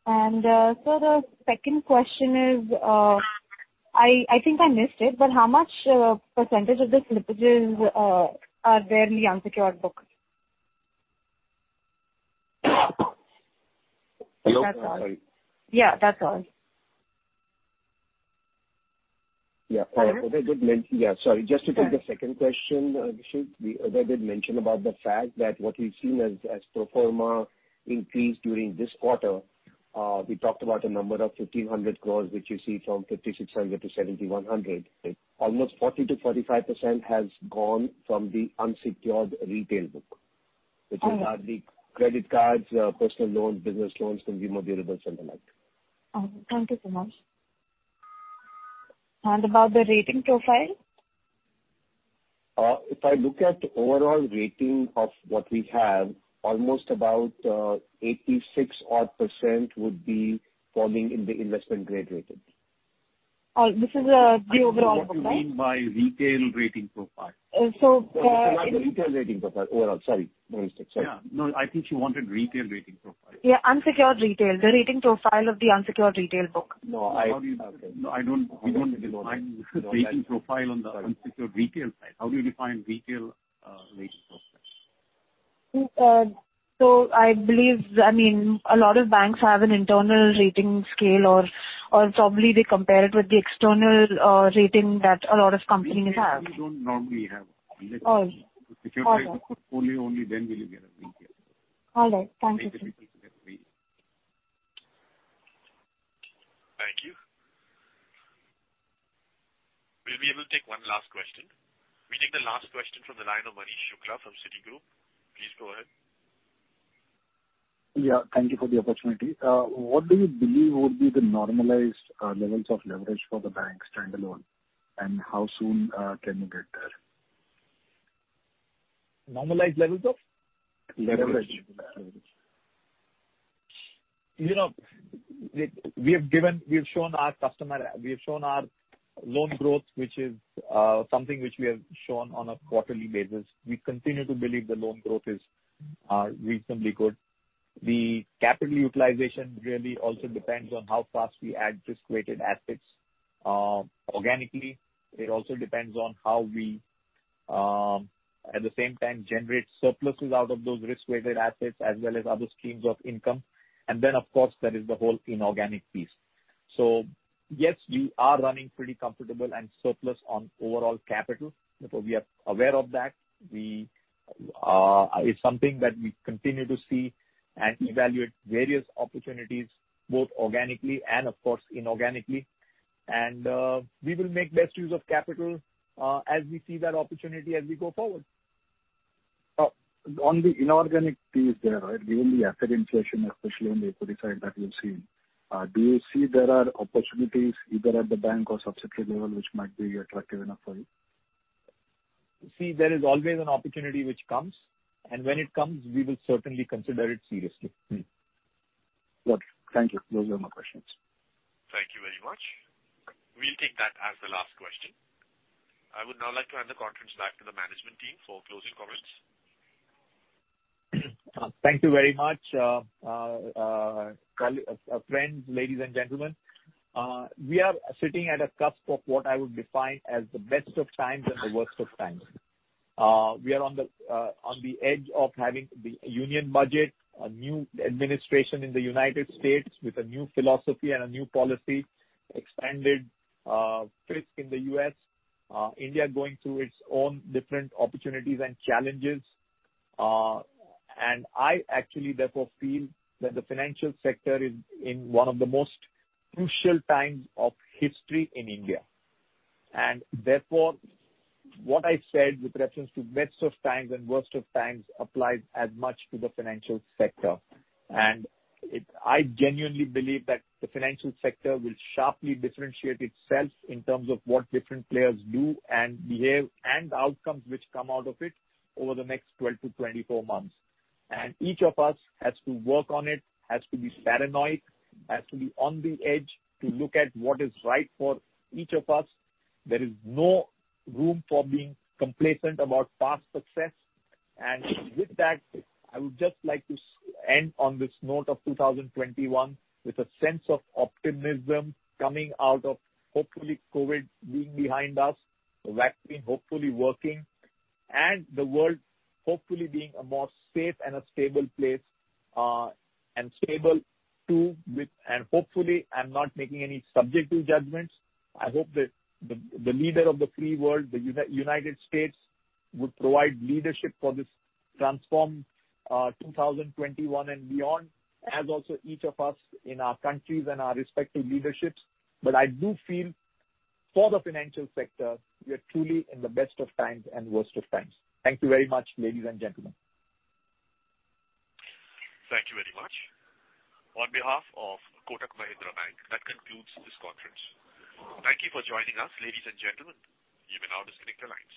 And so the second question is, I think I missed it, but how much percentage of the slippages are there in the unsecured book? Hello, sorry. Yeah, that's all. Yeah. All right. Yeah, sorry. Just to take the second question, we should. We, I did mention about the fact that what we've seen as pro forma increase during this quarter, we talked about a number of 1,500 crores, which you see from 5,600 to 7,100. Almost 40%-45% has gone from the unsecured retail book- All right. -which is largely credit cards, personal loans, business loans, consumer durables, and the like. Thank you so much. And about the rating profile? If I look at overall rating of what we have, almost about, 86 odd percent would be falling in the investment grade rating. This is the overall, correct? I think what you mean by retail rating profile. Uh, so, uh- Retail rating profile overall. Sorry, my mistake, sorry. Yeah. No, I think she wanted retail rating profile. Yeah, unsecured retail, the rating profile of the unsecured retail book. No, I- How do you... No, I don't, we don't define rating profile on the unsecured retail side. How do you define retail, rating profiles? So I believe, I mean, a lot of banks have an internal rating scale or probably they compare it with the external rating that a lot of companies have. We don't normally have. All right. If you're trying to put only, only then will you get a retail. All right. Thank you. Thank you. We'll be able to take one last question. We take the last question from the line of Manish Shukla from Citigroup. Please go ahead. Yeah, thank you for the opportunity. What do you believe would be the normalized levels of leverage for the bank standalone, and how soon can you get there? Normalized levels of? Leverage. Leverage. You know, we, we have given, we've shown our customer... We've shown our loan growth, which is, something which we have shown on a quarterly basis. We continue to believe the loan growth is, reasonably good. The capital utilization really also depends on how fast we add risk-weighted assets, organically. It also depends on how we, at the same time, generate surpluses out of those risk-weighted assets, as well as other streams of income. And then, of course, there is the whole inorganic piece. So yes, we are running pretty comfortable and surplus on overall capital. Therefore, we are aware of that. We, it's something that we continue to see and evaluate various opportunities, both organically and, of course, inorganically. And, we will make best use of capital, as we see that opportunity as we go forward. On the inorganic piece there, right? The only asset inflation, especially on the equity side, that you're seeing. Do you see there are opportunities either at the bank or subsidiary level which might be attractive enough for you? See, there is always an opportunity which comes, and when it comes, we will certainly consider it seriously. Good. Thank you. Those are my questions. Thank you very much. We'll take that as the last question. I would now like to hand the conference back to the management team for closing comments. Thank you very much, friends, ladies and gentlemen. We are sitting at a cusp of what I would define as the best of times and the worst of times. We are on the edge of having the Union Budget, a new administration in the United States with a new philosophy and a new policy, expanded risk in the US, India going through its own different opportunities and challenges. And I actually therefore feel that the financial sector is in one of the most crucial times of history in India. And therefore, what I said with reference to best of times and worst of times applies as much to the financial sector. And it, I genuinely believe that the financial sector will sharply differentiate itself in terms of what different players do and behave, and the outcomes which come out of it over the next twelve to twenty-four months. Each of us has to work on it, has to be paranoid, has to be on the edge to look at what is right for each of us. There is no room for being complacent about past success. With that, I would just like to end on this note of two thousand twenty-one with a sense of optimism coming out of hopefully COVID being behind us, the vaccine hopefully working, and the world hopefully being a more safe and a stable place, and stable too, with. Hopefully, I'm not making any subjective judgments. I hope that the leader of the free world, the United States, would provide leadership for this transformed 2021 and beyond, as also each of us in our countries and our respective leaderships. But I do feel for the financial sector, we are truly in the best of times and worst of times. Thank you very much, ladies and gentlemen. Thank you very much. On behalf of Kotak Mahindra Bank, that concludes this conference. Thank you for joining us, ladies and gentlemen. You may now disconnect the lines.